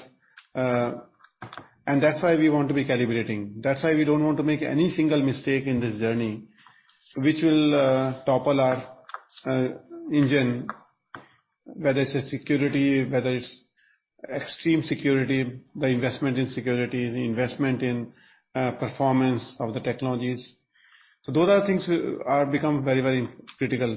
S2: That's why we want to be calibrating. That's why we don't want to make any single mistake in this journey which will topple our engine. Whether it's a security, whether it's extreme security, the investment in security, the investment in performance of the technologies. Those are things that are becoming very, very critical.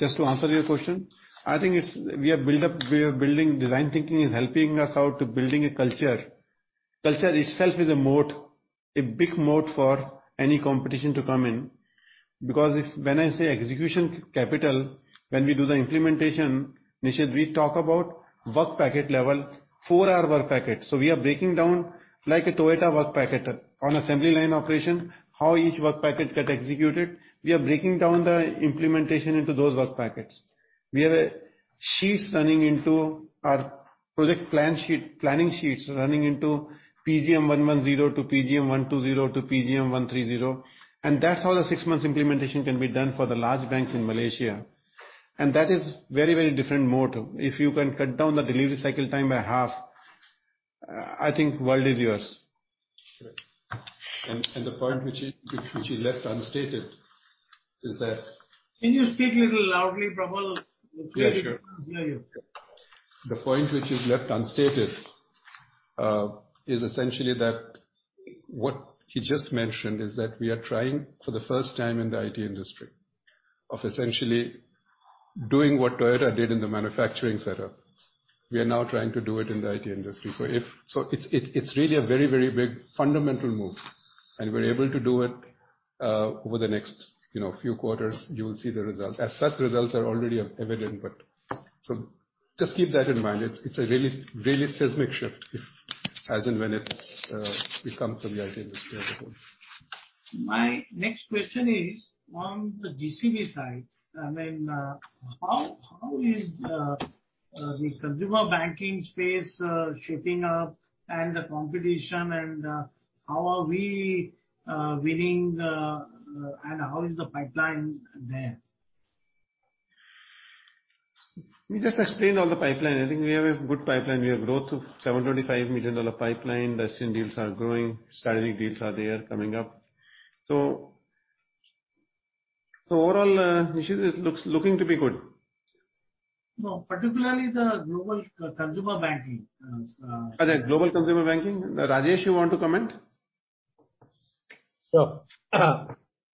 S2: Just to answer your question, I think it's we are building. Design thinking is helping us out to building a culture. Culture itself is a moat, a big moat for any competition to come in. Because when I say execution capital, when we do the implementation, Nishit, we talk about work packet level, four-hour work packet. We are breaking down like a Toyota work packet on assembly line operation, how each work packet get executed. We are breaking down the implementation into those work packets. We have sheets running into our project plan sheet, planning sheets running into PGM 110 to PGM 120 to PGM 130. That's how the six months implementation can be done for the large banks in Malaysia. That is very, very different moat. If you can cut down the delivery cycle time by half, I think world is yours.
S4: Correct. The point which is left unstated is that.
S2: Can you speak little loudly, Prabal?
S4: Yeah, sure.
S2: We cannot hear you.
S4: The point which is left unstated is essentially that what he just mentioned is that we are trying for the first time in the IT industry of essentially doing what Toyota did in the manufacturing setup. We are now trying to do it in the IT industry. It's really a very, very big fundamental move, and we're able to do it over the next, you know, few quarters, you will see the results. As such, results are already evident, but just keep that in mind. It's a really, really seismic shift as and when it comes to the IT industry as a whole.
S2: My next question is on the IGCB side. I mean, how is the consumer banking space shaping up and the competition, and how are we winning, and how is the pipeline there?
S4: We just explained all the pipeline. I think we have a good pipeline. We have growth of $725 million dollar pipeline. West End deals are growing. Strategic deals are there coming up. Overall, Nishit, it looks to be good.
S2: No, particularly the global consumer banking,
S4: The global consumer banking? Rajesh, you want to comment?
S10: Sure.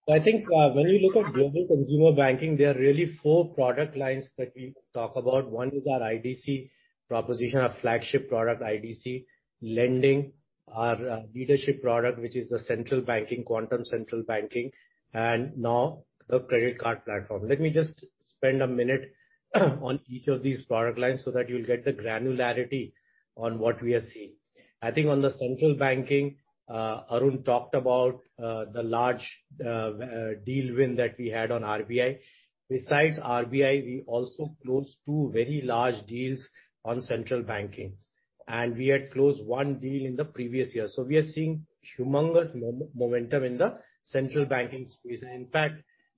S10: I think when you look at global consumer banking, there are really four product lines that we talk about. One is our IDC proposition, our flagship product, IDC. Lending, our leadership product, which is the central banking, Quantum Central Banking. Now the credit card platform. Let me just spend a minute on each of these product lines so that you'll get the granularity on what we are seeing. I think on the central banking, Arun talked about the large deal win that we had on RBI. Besides RBI, we also closed two very large deals on central banking, and we had closed one deal in the previous year. We are seeing humongous momentum in the central banking space. In fact,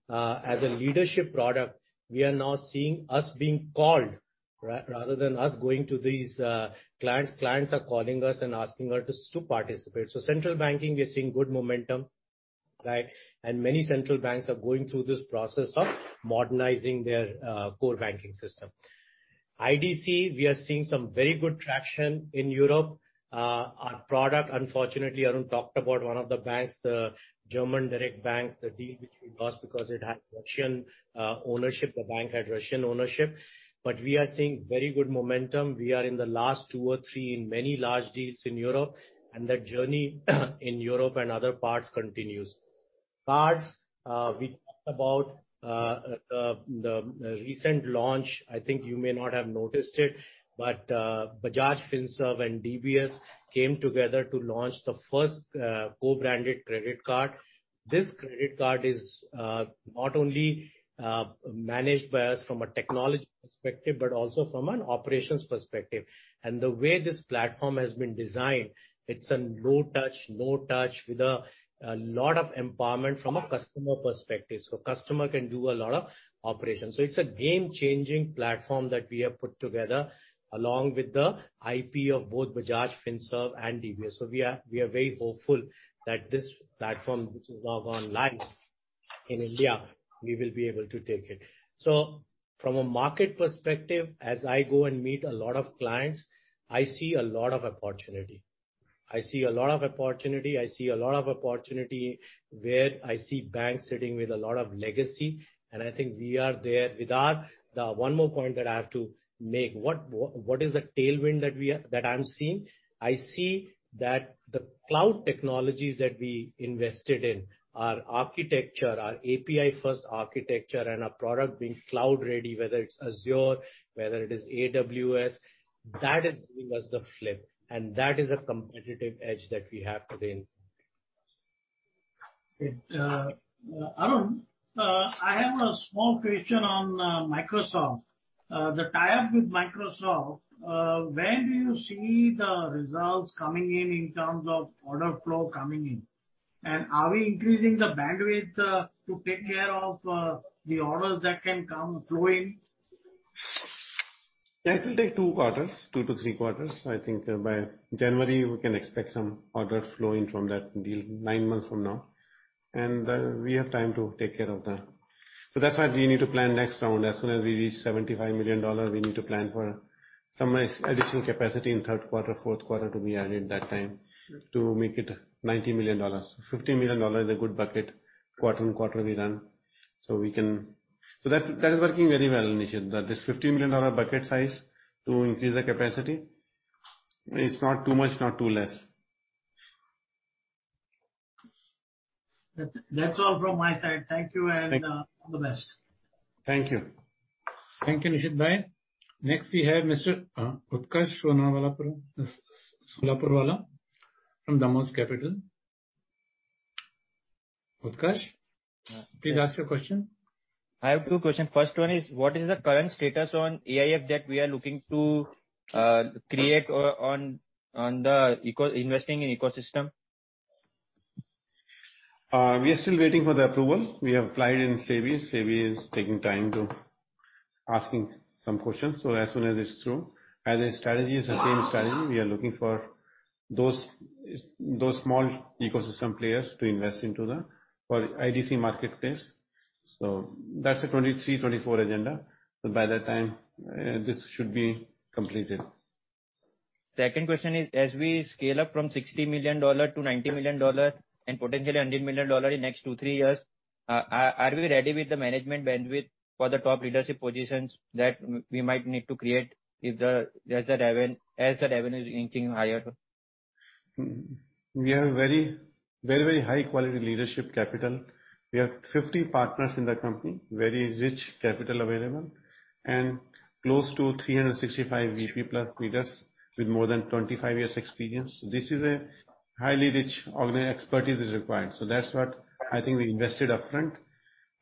S10: as a leadership product, we are now seeing us being called, rather than us going to these clients. Clients are calling us and asking us to participate. Central banking, we are seeing good momentum. Right. Many central banks are going through this process of modernizing their core banking system. IDC, we are seeing some very good traction in Europe. Our product, unfortunately, Arun talked about one of the banks, the German direct bank, the deal which we lost because it had Russian ownership. The bank had Russian ownership. We are seeing very good momentum. We are in the last two or three in many large deals in Europe, and that journey in Europe and other parts continues. Cards, we talked about the recent launch. I think you may not have noticed it, but Bajaj Finserv and DBS came together to launch the first co-branded credit card. This credit card is not only managed by us from a technology perspective, but also from an operations perspective. The way this platform has been designed, it's a low-touch, no touch with a lot of empowerment from a customer perspective, so customer can do a lot of operations. It's a game-changing platform that we have put together along with the IP of both Bajaj Finserv and DBS. We are very hopeful that this platform, which has now gone live in India, we will be able to take it. From a market perspective, as I go and meet a lot of clients, I see a lot of opportunity where I see banks sitting with a lot of legacy, and I think we are there with our. There's one more point that I have to make. What is the tailwind that I'm seeing? I see that the cloud technologies that we invested in, our architecture, our API-first architecture and our product being cloud ready, whether it's Azure, whether it is AWS, that is giving us the fillip, and that is a competitive edge that we have today in.
S9: Great. Arun, I have a small question on Microsoft. The tie-up with Microsoft, when do you see the results coming in terms of order flow coming in? Are we increasing the bandwidth to take care of the orders that can come flowing?
S2: That will take two quarters, two to three quarters. I think by January, we can expect some orders flowing from that deal, nine months from now. We have time to take care of that. That's why we need to plan next round. As soon as we reach $75 million, we need to plan for some nice additional capacity in Q3, Q4 to be added that time to make it $90 million. $50 million is a good bucket quarter-on-quarter we run. That is working very well, Nishit. That this $50 million bucket size to increase the capacity is not too much, not too less.
S9: That's all from my side. Thank you.
S2: Thank you.
S9: All the best.
S2: Thank you.
S1: Thank you, Nishitbhai. Next we have Mr. Utkarsh Solapurwala from Damos Capital. Utkarsh, please ask your question.
S11: I have two questions. First one is, what is the current status on AIF that we are looking to create on the ecosystem investing in ecosystem?
S2: We are still waiting for the approval. We have applied in SEBI. SEBI is taking time to ask some questions. As soon as it's through. As a strategy, it's the same strategy. We are looking for those small ecosystem players to invest into the IDC marketplace. That's a 2023, 2024 agenda. By that time, this should be completed.
S11: Second question is, as we scale up from $60 million to $90 million and potentially $100 million in next 2, 3 years, are we ready with the management bandwidth for the top leadership positions that we might need to create if as the revenue is inching higher?
S2: We have a very high-quality leadership capital. We have 50 partners in the company, very rich capital available, and close to 365 VP plus leaders with more than 25 years experience. This is a highly-rich organization. Expertise is required. That's what I think we invested upfront,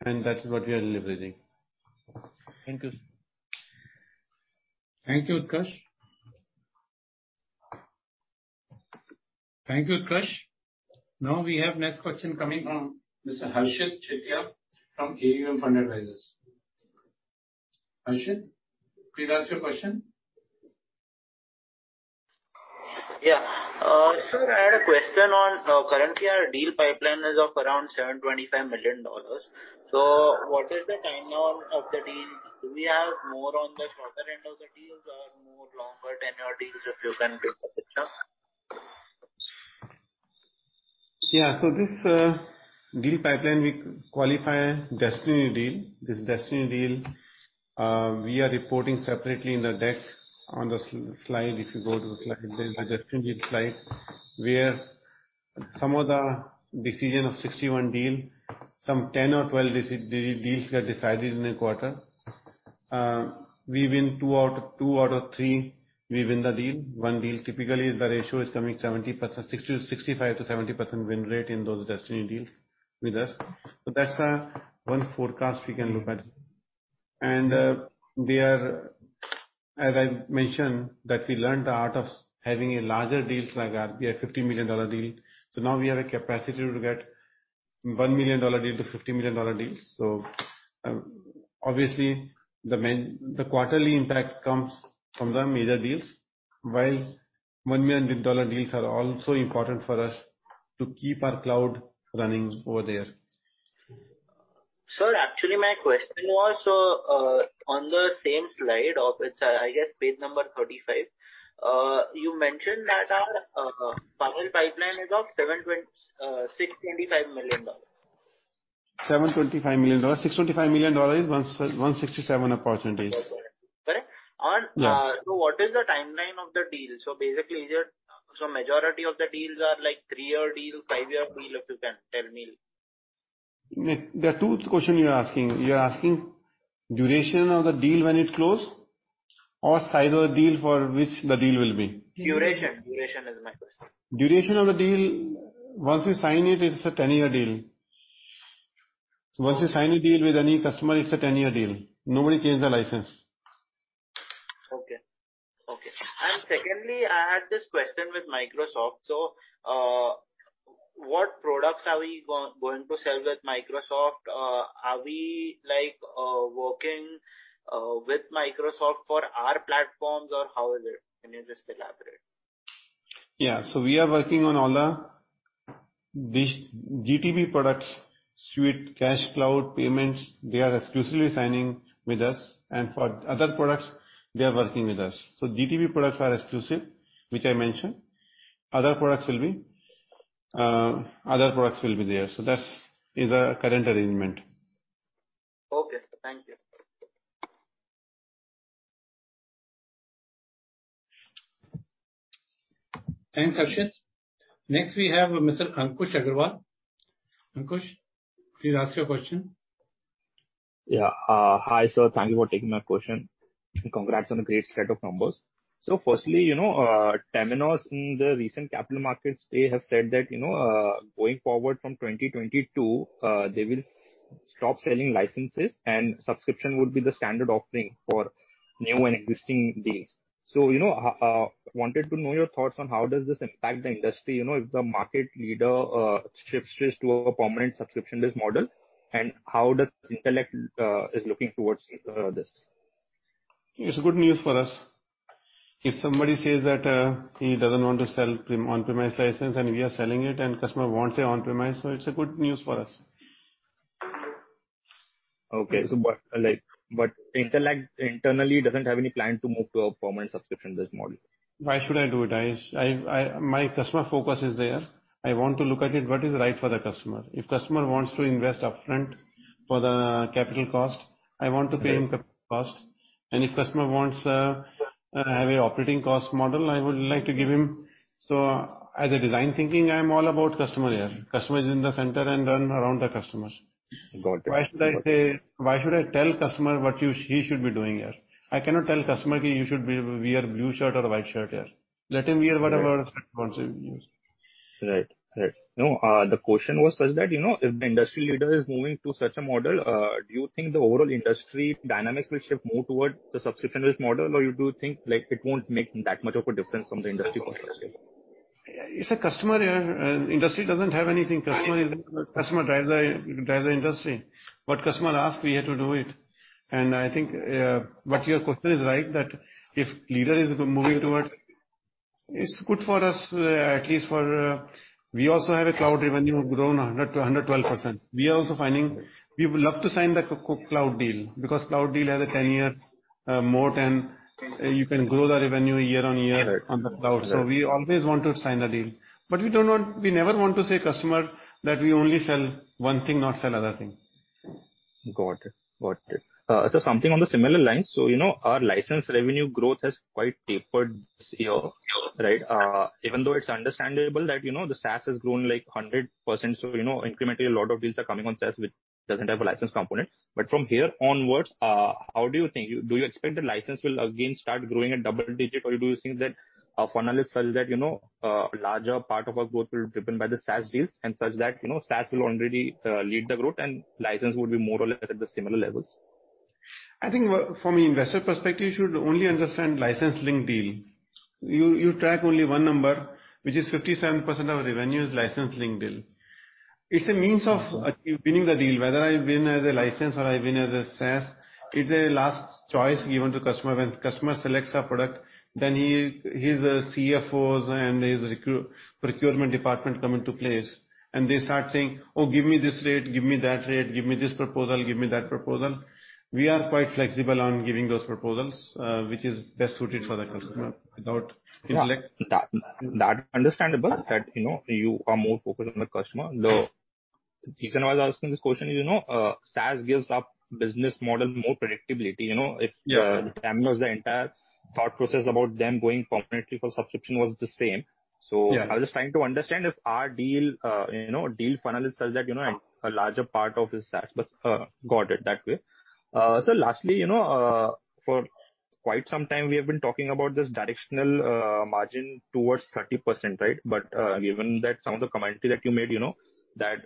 S2: and that is what we are leveraging.
S11: Thank you.
S1: Thank you, Utkarsh. Now we have next question coming from Mr. Harshit Chetia from AUM Fund Advisors. Harshit, please ask your question.
S12: Yeah. Sir, I had a question on, currently our deal pipeline is of around $725 million. What is the timeline of the deals? Do we have more on the shorter-end of the deals or more longer-tenure deals, if you can paint the picture?
S2: Yeah. This deal pipeline, we qualify destiny deals. This destiny deal, we are reporting separately in the deck on the slide. If you go to the slide, there's a destiny deal slide where some of the decision of 61 deals, some 10 or 12 deals were decided in the quarter. We win two out of three deals. Typically the ratio is coming 70%, 60% to 65% to 70% win rate in those destiny deals with us. That's one forecast we can look at. We are as I mentioned, that we learned the art of having larger deals like our $50 million deal. Now we have a capacity to get $1 million deal to $50 million deals. Obviously, the quarterly impact comes from the major deals. While $1 million deals are also important for us to keep our cloud running over there.
S12: Sir, actually, my question was on the same slide of, it's, I guess page number 35. You mentioned that our funnel pipeline is of $625 million.
S2: $725 million. $625 million is 167 approximately.
S12: Correct.
S2: Yeah.
S12: What is the timeline of the deal? Basically, majority of the deals are like 3-year deal, 5-year deal, if you can tell me.
S2: There are two questions you are asking. You are asking duration of the deal when it closed, or size of the deal for which the deal will be.
S12: Duration is my question.
S2: Duration of the deal, once you sign it's a 10-year deal. Once you sign a deal with any customer, it's a 10-year deal. Nobody changes the license.
S12: Okay. Secondly, I had this question with Microsoft. What products are we going to sell with Microsoft? Are we, like, working with Microsoft for our platforms, or how is it? Can you just elaborate?
S2: Yeah. We are working on all the GTB products: Suite, Cash, Cloud, Payments. They are exclusively signing with us. For other products, they are working with us. GTB products are exclusive, which I mentioned. Other products will be there. That's our current arrangement.
S12: Okay. Thank you.
S2: Thanks, Harshit. Next, we have Mr. Ankush Agrawal. Ankush, please ask your question.
S13: Yeah. Hi, sir. Thank you for taking my question, and congrats on the great set of numbers. Firstly, you know, Temenos in the recent capital markets day has said that, you know, going forward from 2022, they will stop selling licenses and subscription would be the standard offering for new and existing deals. You know, wanted to know your thoughts on how does this impact the industry, you know, if the market leader shifts to a permanent subscription-based model, and how does Intellect is looking towards this?
S2: It's good news for us. If somebody says that, he doesn't want to sell on-premise license and we are selling it and customer wants it on-premise, so it's good news for us.
S13: Like, but Intellect internally doesn't have any plan to move to a permanent subscription-based model?
S2: Why should I do it? My customer focus is there. I want to look at it, what is right for the customer. If customer wants to invest upfront for the capital cost, I want to pay him capital cost. And if customer wants a heavy operating cost model, I would like to give him. As a design thinking, I'm all about customer here. Customer is in the center and run around the customers.
S12: Got it.
S2: Why should I tell customer he should be doing here? I cannot tell customer, "Okay, you should wear blue shirt or a white shirt here." Let him wear whatever shirt he wants to use.
S13: Right. No, the question was such that, you know, if the industry leader is moving to such a model, do you think the overall industry dynamics will shift more towards the subscription-based model? Or you do think, like, it won't make that much of a difference from the industry perspective?
S2: It's a customer here. Industry doesn't have anything. Customer drives the industry. What customer asks, we have to do it. I think, but your question is right, that if leader is moving towards, it's good for us, at least for us. We also have a cloud revenue grown 100%-112%. We are also finding we would love to sign the cloud deal because cloud deal has a 10-year moat, and you can grow the revenue year-on-year.
S13: Correct.
S2: on the cloud.
S13: Correct.
S2: We always want to sign the deal. We don't want, we never want to say to the customer that we only sell one thing, not sell other thing.
S13: Something on the similar lines. You know, our license revenue growth has quite tapered this year, right? Even though it's understandable that, you know, the SaaS has grown, like, 100%. You know, incrementally, a lot of deals are coming on SaaS, which doesn't have a license component. From here onwards, how do you think? Do you expect the license will again start growing at double digit? Or do you think that, funnel is such that, you know, larger part of our growth will be driven by the SaaS deals and such that, you know, SaaS will already lead the growth and license will be more or less at the similar levels?
S2: I think from an investor perspective, you should only understand license-led deal. You track only one number, which is 57% of revenue is license-led deal. It's a means of achieving the deal. Whether I win as a license or I win as a SaaS, it's a last choice given to customer. When customer selects a product, then he, his CFOs and his procurement department come into place and they start saying, "Oh, give me this rate, give me that rate, give me this proposal, give me that proposal." We are quite flexible on giving those proposals, which is best suited for the customer without Intellect.
S13: That's understandable that, you know, you are more focused on the customer. The reason why I was asking this question is, you know, SaaS gives our business model more predictability, you know.
S2: Yeah.
S13: Temenos, the entire thought process about them going permanently for subscription was the same.
S2: Yeah.
S13: I was just trying to understand if our deal funnel is such that a larger part of is SaaS, but got it that way. Lastly, for quite some time we have been talking about this directional margin towards 30%, right? Given that some of the comments that you made, that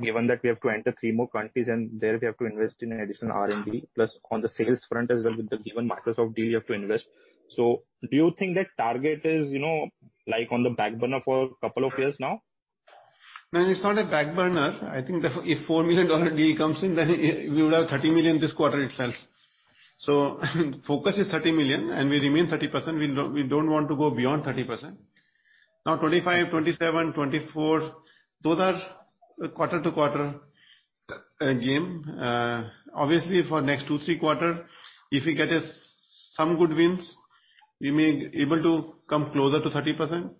S13: given that we have to enter 3 more countries, and there we have to invest in an additional R&D. Plus on the sales front as well, with the given Microsoft deal, we have to invest. Do you think that target is like on the back burner for a couple of years now?
S2: No, it's not a back burner. I think if the $4 million deal comes in, then we will have $30 million this quarter itself. Focus is $30 million and we remain 30%. We don't want to go beyond 30%. Now, 25, 27, 24, those are quarter-to-quarter game. Obviously for next two, three quarters, if we get some good wins, we may be able to come closer to 30%.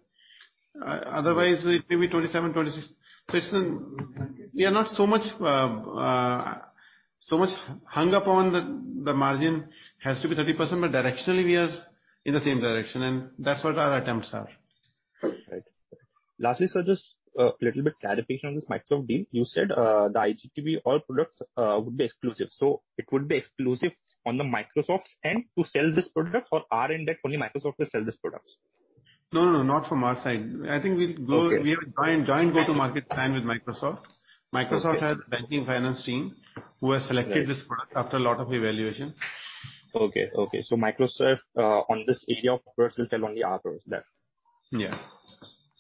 S2: Otherwise it may be 27, 26. It's an. We are not so much hung up on the margin has to be 30%, but directionally we are in the same direction and that's what our attempts are.
S13: Right. Lastly, sir, just a little bit clarification on this Microsoft deal. You said, the IGTB, all products, would be exclusive. It would be exclusive on the Microsoft's end to sell this product or our end that only Microsoft will sell this product?
S2: No, no, not from our side. I think we'll go.
S13: Okay.
S2: We have a joint go-to-market plan with Microsoft.
S13: Okay.
S2: Microsoft has a banking and finance team who has selected.
S13: Right.
S2: This product after a lot of evaluation.
S14: Okay. Microsoft, in this area, will first sell only Intellect's products.
S2: Yeah.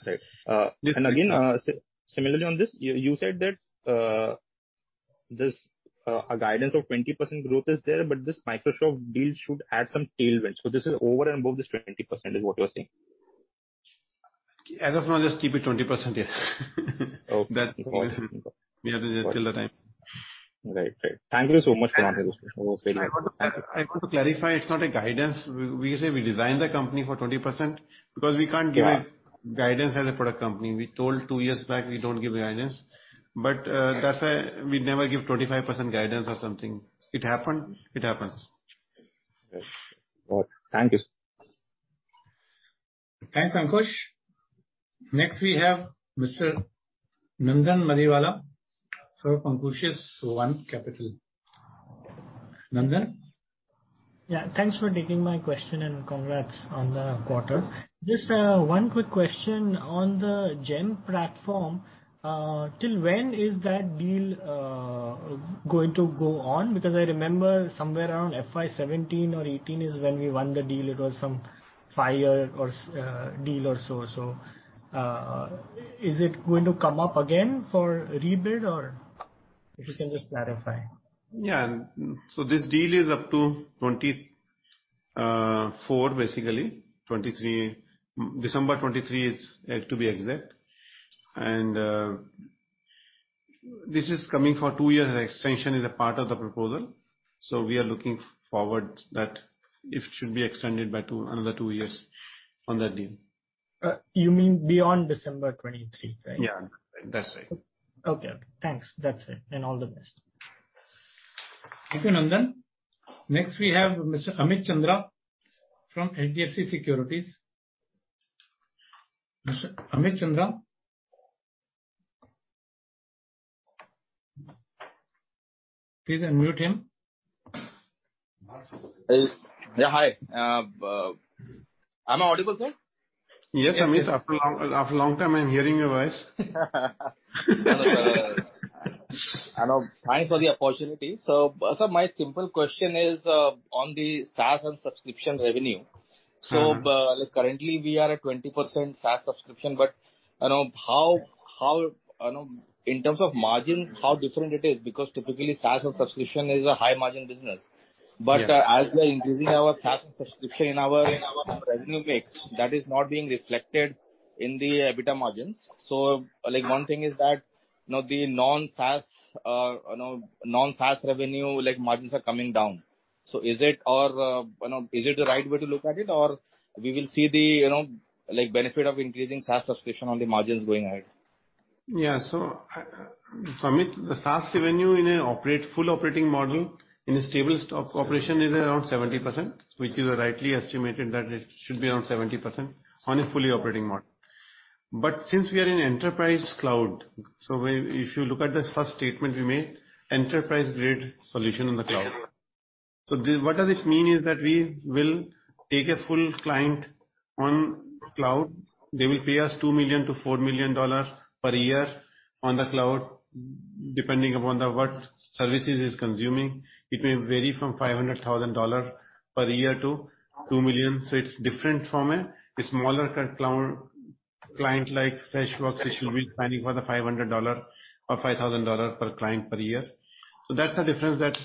S13: Right.
S2: This-
S13: Again, similarly on this, you said that this guidance of 20% growth is there, but this Microsoft deal should add some tailwind. This is over and above this 20% is what you're saying?
S2: As of now, just keep it 20%, yes.
S13: Okay.
S2: That's all. We have to till the time.
S13: Right. Thank you so much for answering those questions. It was very helpful.
S2: I've got to clarify. It's not a guidance. We say we design the company for 20% because we can't give a
S13: Yeah.
S2: Guidance as a product company. We told two years back we don't give guidance. We never give 25% guidance or something. It happened, it happens.
S13: Yes. Well, thank you.
S1: Thanks, Ankush. Next we have Mr. Nandan Madiwala for Pankush's One Capital. Nandan?
S15: Yeah. Thanks for taking my question and congrats on the quarter. Just one quick question on the GeM platform. Till when is that deal going to go on? Because I remember somewhere around FY 17 or 18 is when we won the deal. It was some 5-year deal or so. So, is it going to come up again for rebuild or if you can just clarify.
S2: This deal is up to 2024, basically. 2023, December 2023, to be exact. This is coming for 2 years. Extension is a part of the proposal, so we are looking forward that it should be extended by 2, another 2 years on that deal.
S15: You mean beyond December 2023, right?
S2: Yeah. That's right.
S15: Okay. Thanks. That's it. All the best.
S1: Thank you, Nandan. Next we have Mr. Amit Chandra from HDFC Securities. Mr. Amit Chandra. Please unmute him.
S16: Yeah. Hi. Am I audible, sir?
S2: Yes, Amit. After a long time, I'm hearing your voice.
S16: Hello. Thanks for the opportunity. Sir, my simple question is on the SaaS and subscription revenue.
S2: Mm-hmm.
S16: Like, currently we are at 20% SaaS subscription, but, you know, how you know, in terms of margins, how different it is? Because typically SaaS or subscription is a high-margin business.
S2: Yeah.
S16: As we are increasing our SaaS and subscription in our revenue mix, that is not being reflected in the EBITDA margins. Like, one thing is that, you know, the non-SaaS revenue, like, margins are coming down. Is it, you know, the right way to look at it? Or we will see the, you know, like, benefit of increasing SaaS subscription on the margins going ahead?
S2: Yeah. Amit, the SaaS revenue in a full operating model in a stable operation is around 70%, which is rightly estimated that it should be around 70% on a fully operating model. But since we are in enterprise cloud, if you look at the first statement we made, enterprise grade solution in the cloud. What does it mean is that we will take a full client on cloud. They will pay us $2 million-$4 million per year on the cloud, depending upon what services is consuming. It may vary from $500,000 per year to $2 million. It's different from a smaller client, like Freshworks, which will be signing for the $500 or $5,000 per client per year. That's the difference that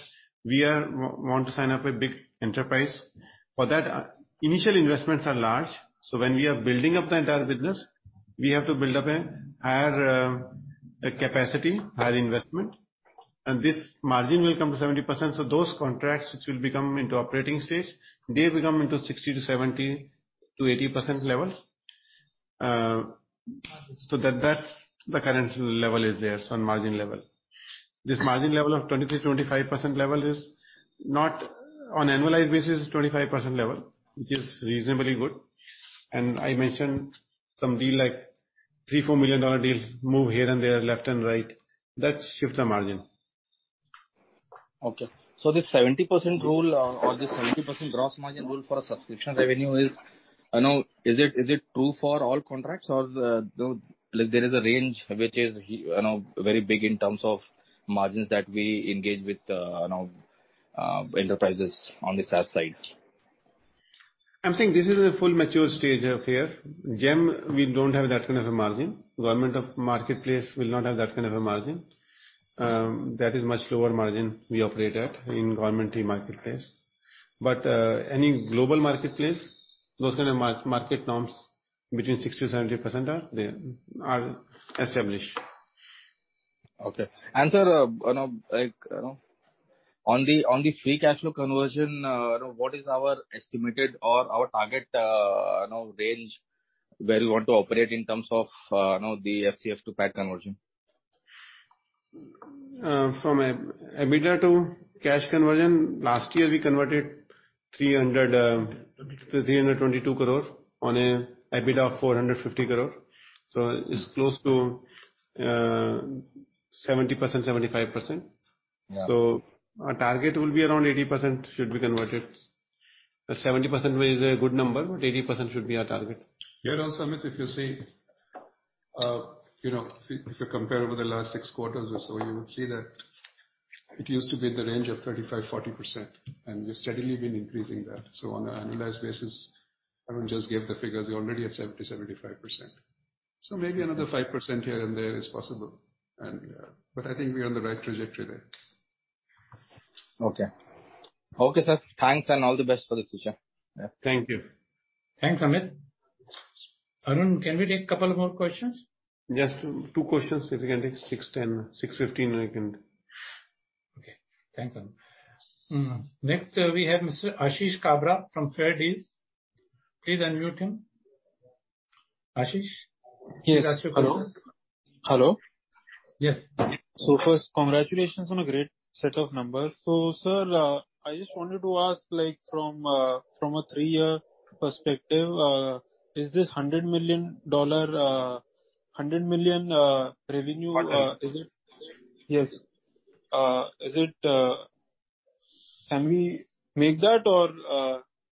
S2: we want to sign up a big enterprise. For that, initial investments are large. When we are building up the entire business, we have to build up a higher-capacity, higher-investment, and this margin will come to 70%. Those contracts which will become into operating stage, they will come into 60% to 70% to 80% levels. That's the current level there. On margin level. This margin level of 23%-25% level is not on annualized basis, 25% level, which is reasonably good. I mentioned some deal, like $3-$4 million deals move here and there, left and right. That shifts the margin.
S16: Okay. This 70% rule or this 70% gross margin rule for a subscription revenue is, you know, is it true for all contracts? Or, though, like, there is a range which is you know, very big in terms of margins that we engage with, you know, enterprises on the SaaS side.
S2: I'm saying this is in a full mature stage of here. GeM, we don't have that kind of a margin. Government e-Marketplace will not have that kind of a margin. That is much lower-margin we operate at in government e-Marketplace. Any global marketplace, those kind of market norms between 60%-70% are established.
S16: Okay. Sir, you know, like, you know, on the free cash flow conversion, you know, what is our estimated or our target, you know, range where we want to operate in terms of, you know, the FCF to PAT conversion?
S2: From EBITDA to cash conversion, last year we converted 300 to 322 crore on an EBITDA of 450 crore. It's close to 70%-75%.
S16: Yeah.
S2: Our target will be around 80% should be converted. 70% is a good number, but 80% should be our target.
S4: Here also, Amit, if you see, if you compare over the last six quarters or so, you would see that it used to be in the range of 35%-40%, and we've steadily been increasing that. On an annualized basis, Arun just gave the figures, we're already at 70%-75%. Maybe another 5% here and there is possible, but I think we're on the right trajectory there.
S16: Okay. Okay, sir. Thanks and all the best for the future. Yeah.
S2: Thank you.
S4: Thanks, Amit. Arun, can we take couple more questions?
S2: Just two questions if we can take. 6:10, 6:15 we can.
S1: Okay. Thanks, Arun. Next, we have Mr. Ashish Kabra from Fairdeal. Please unmute him. Ashish?
S17: Yes. Hello. Hello.
S10: Yes.
S17: First, congratulations on a great set of numbers. Sir, I just wanted to ask like from a three-year perspective, is this $100 million revenue-
S2: PAT.
S17: Is it? Yes. Can we make that or?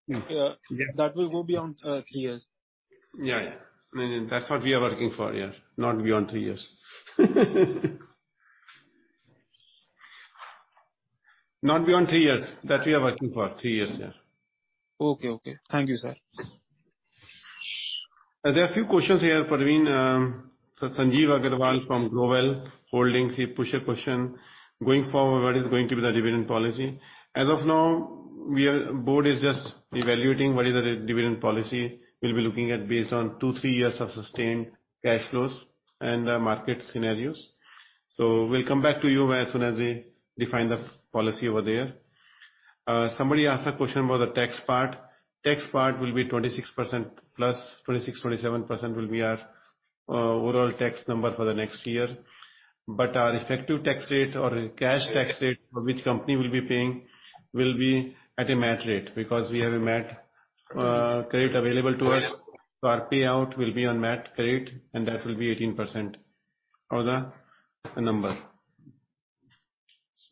S2: Yeah.
S17: That will go beyond three years?
S2: Yeah. No, that's what we are working for, yeah. Not beyond three years. That we are working for, three years, yeah.
S17: Okay, okay. Thank you, sir.
S2: There are a few questions here, Praveen. Sir Sanjeev Agarwal from Glovel Holdings, he pushed a question. Going forward, what is going to be the dividend policy? As of now, the board is just evaluating what is the dividend policy we'll be looking at based on 2-3 years of sustained cash flows and market scenarios. We'll come back to you as soon as we define the policy over there. Somebody asked a question about the tax part. Tax part will be 26% plus, 26%-27% will be our overall tax number for the next year. Our effective tax rate or cash tax rate which company will be paying will be at a MAT rate, because we have a MAT credit available to us. Our payout will be on MAT rate, and that will be 18% for the number.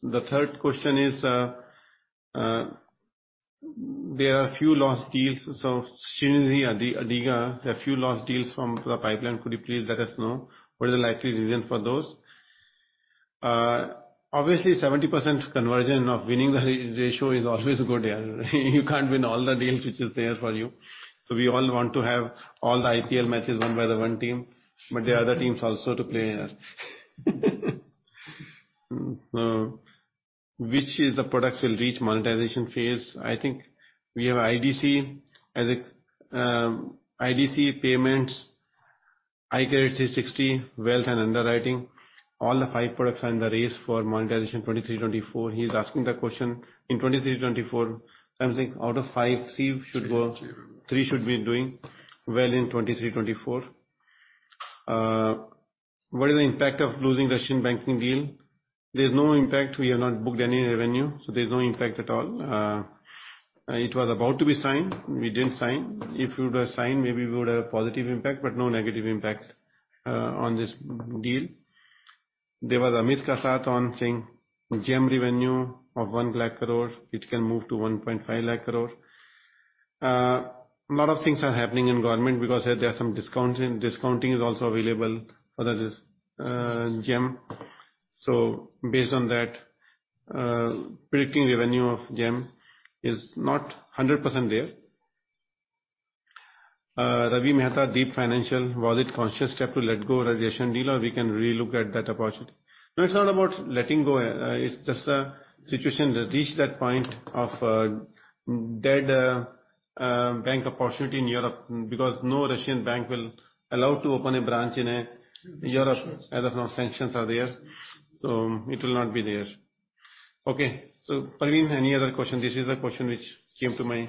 S2: The third question is, there are a few lost deals. Srinidhi Adiga, there are few lost deals from the pipeline. Could you please let us know what is the likely reason for those? Obviously, 70% conversion of winning the ratio is always good, yeah. You can't win all the deals which is there for you. We all want to have all the IPL matches won by the one team, but the other teams also to play, yeah. Which is the products will reach monetization phase? I think we have IDC as a, IDC payments, iCare 360, wealth and underwriting. All the five products are in the race for monetization 2023, 2024. He is asking the question, in 2023, 2024, I'm saying out of 5, 3 should go, 3 should be doing well in 2023, 2024. What is the impact of losing Russian banking deal? There's no impact. We have not booked any revenue, so there's no impact at all. It was about to be signed. We didn't sign. If it would have signed, maybe we would have a positive impact, but no negative impact on this deal. There was Amit Kasat on saying GeM revenue of 1 lakh crore, it can move to 1.5 lakh crore. A lot of things are happening in government because there are some discounts and discounting is also available for this GeM. So based on that, predicting revenue of GeM is not 100% there. Ravi Mehta, Deep Financial. Was it a conscious step to let go of the Russian deal, or can we relook at that opportunity? No, it's not about letting go. It's just a situation that reached that point of dead-end banking opportunity in Europe because no Russian bank will be allowed to open a branch in Europe as of now. Sanctions are there. It will not be there. Okay. Praveen, any other question? This is the question which came to my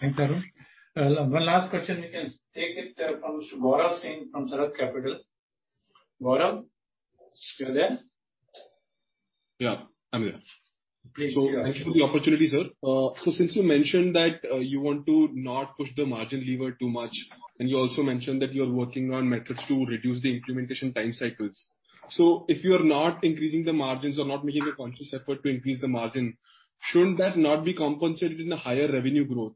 S1: Thanks, Arun. One last question we can take it from Mr. Gaurav Singh from Sarat Capital. Gaurav, you're there?
S18: Yeah, I'm here.
S1: Please go ahead.
S18: Thank you for the opportunity, sir. Since you mentioned that, you want to not push the margin lever too much, and you also mentioned that you're working on methods to reduce the implementation time cycles. If you're not increasing the margins or not making a conscious effort to increase the margin, shouldn't that not be compensated in a higher revenue growth?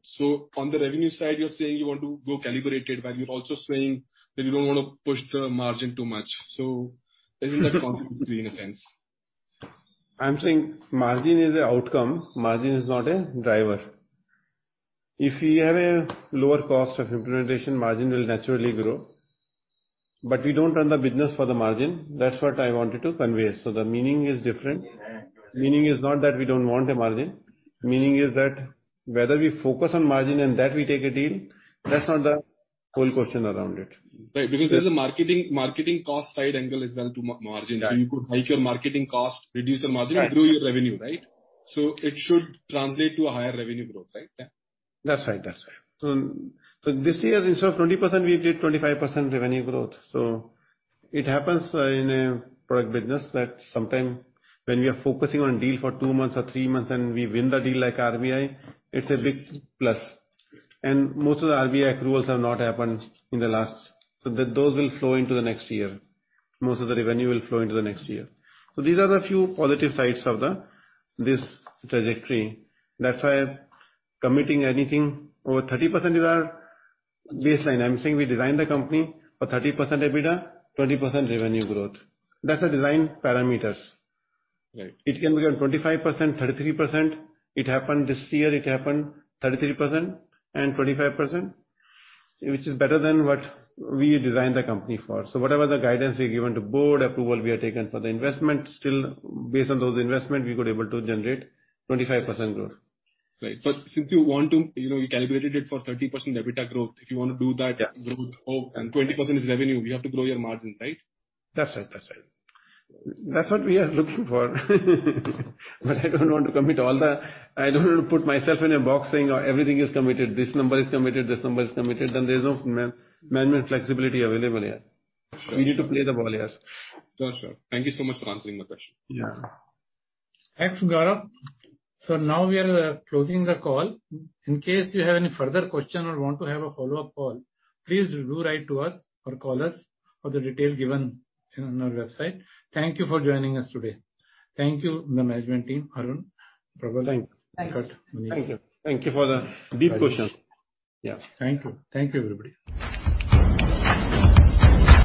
S18: On the revenue side, you're saying you want to go calibrated, while you're also saying that you don't wanna push the margin too much. Isn't that contradictory in a sense?
S2: I'm saying margin is an outcome, margin is not a driver. If we have a lower cost of implementation, margin will naturally grow. We don't run the business for the margin. That's what I wanted to convey. The meaning is different. Meaning is not that we don't want a margin. Meaning is that whether we focus on margin and that we take a deal, that's not the whole question around it.
S18: Right. Because there's a marketing cost side angle as well to margin.
S2: Yeah.
S18: You could hike your marketing cost, reduce your margin.
S2: Right.
S18: grow your revenue, right? It should translate to a higher revenue growth, right?
S2: That's right. This year instead of 20% we did 25% revenue growth. It happens in a product business that sometimes when we are focusing on deal for two months or three months and we win the deal like RBI, it's a big plus. Most of the RBI accruals have not happened in the last. Those will flow into the next year. Most of the revenue will flow into the next year. These are the few positive sides of this trajectory. That's why committing anything over 30% is our baseline. I'm saying we designed the company for 30% EBITDA, 20% revenue growth. That's the design parameters.
S18: Right.
S2: It can be on 25%, 33%. It happened this year, it happened 33% and 25%, which is better than what we designed the company for. Whatever the guidance we given to board, approval we have taken for the investment, still based on those investment we were able to generate 25% growth.
S18: Right. Since you want to, you know, you calculated it for 30% EBITDA growth, if you wanna do that.
S2: Yeah.
S18: Growth of 20% in revenue, you have to grow your margins, right?
S2: That's right. That's what we are looking for. I don't want to put myself in a box saying, "Oh, everything is committed. This number is committed, this number is committed." There's no man-management flexibility available here.
S18: Sure, sure.
S2: We need to play the ball here.
S18: Sure, sure. Thank you so much for answering my question.
S2: Yeah.
S1: Thanks, Gaurav. Now we are closing the call. In case you have any further question or want to have a follow-up call, please do write to us or call us for the details given in our website. Thank you for joining us today. Thank you to the management team, Arun, Prabal.
S2: Thank you.
S18: Thank you.
S2: Thank you. Thank you for the deep question.
S1: Yeah. Thank you. Thank you, everybody.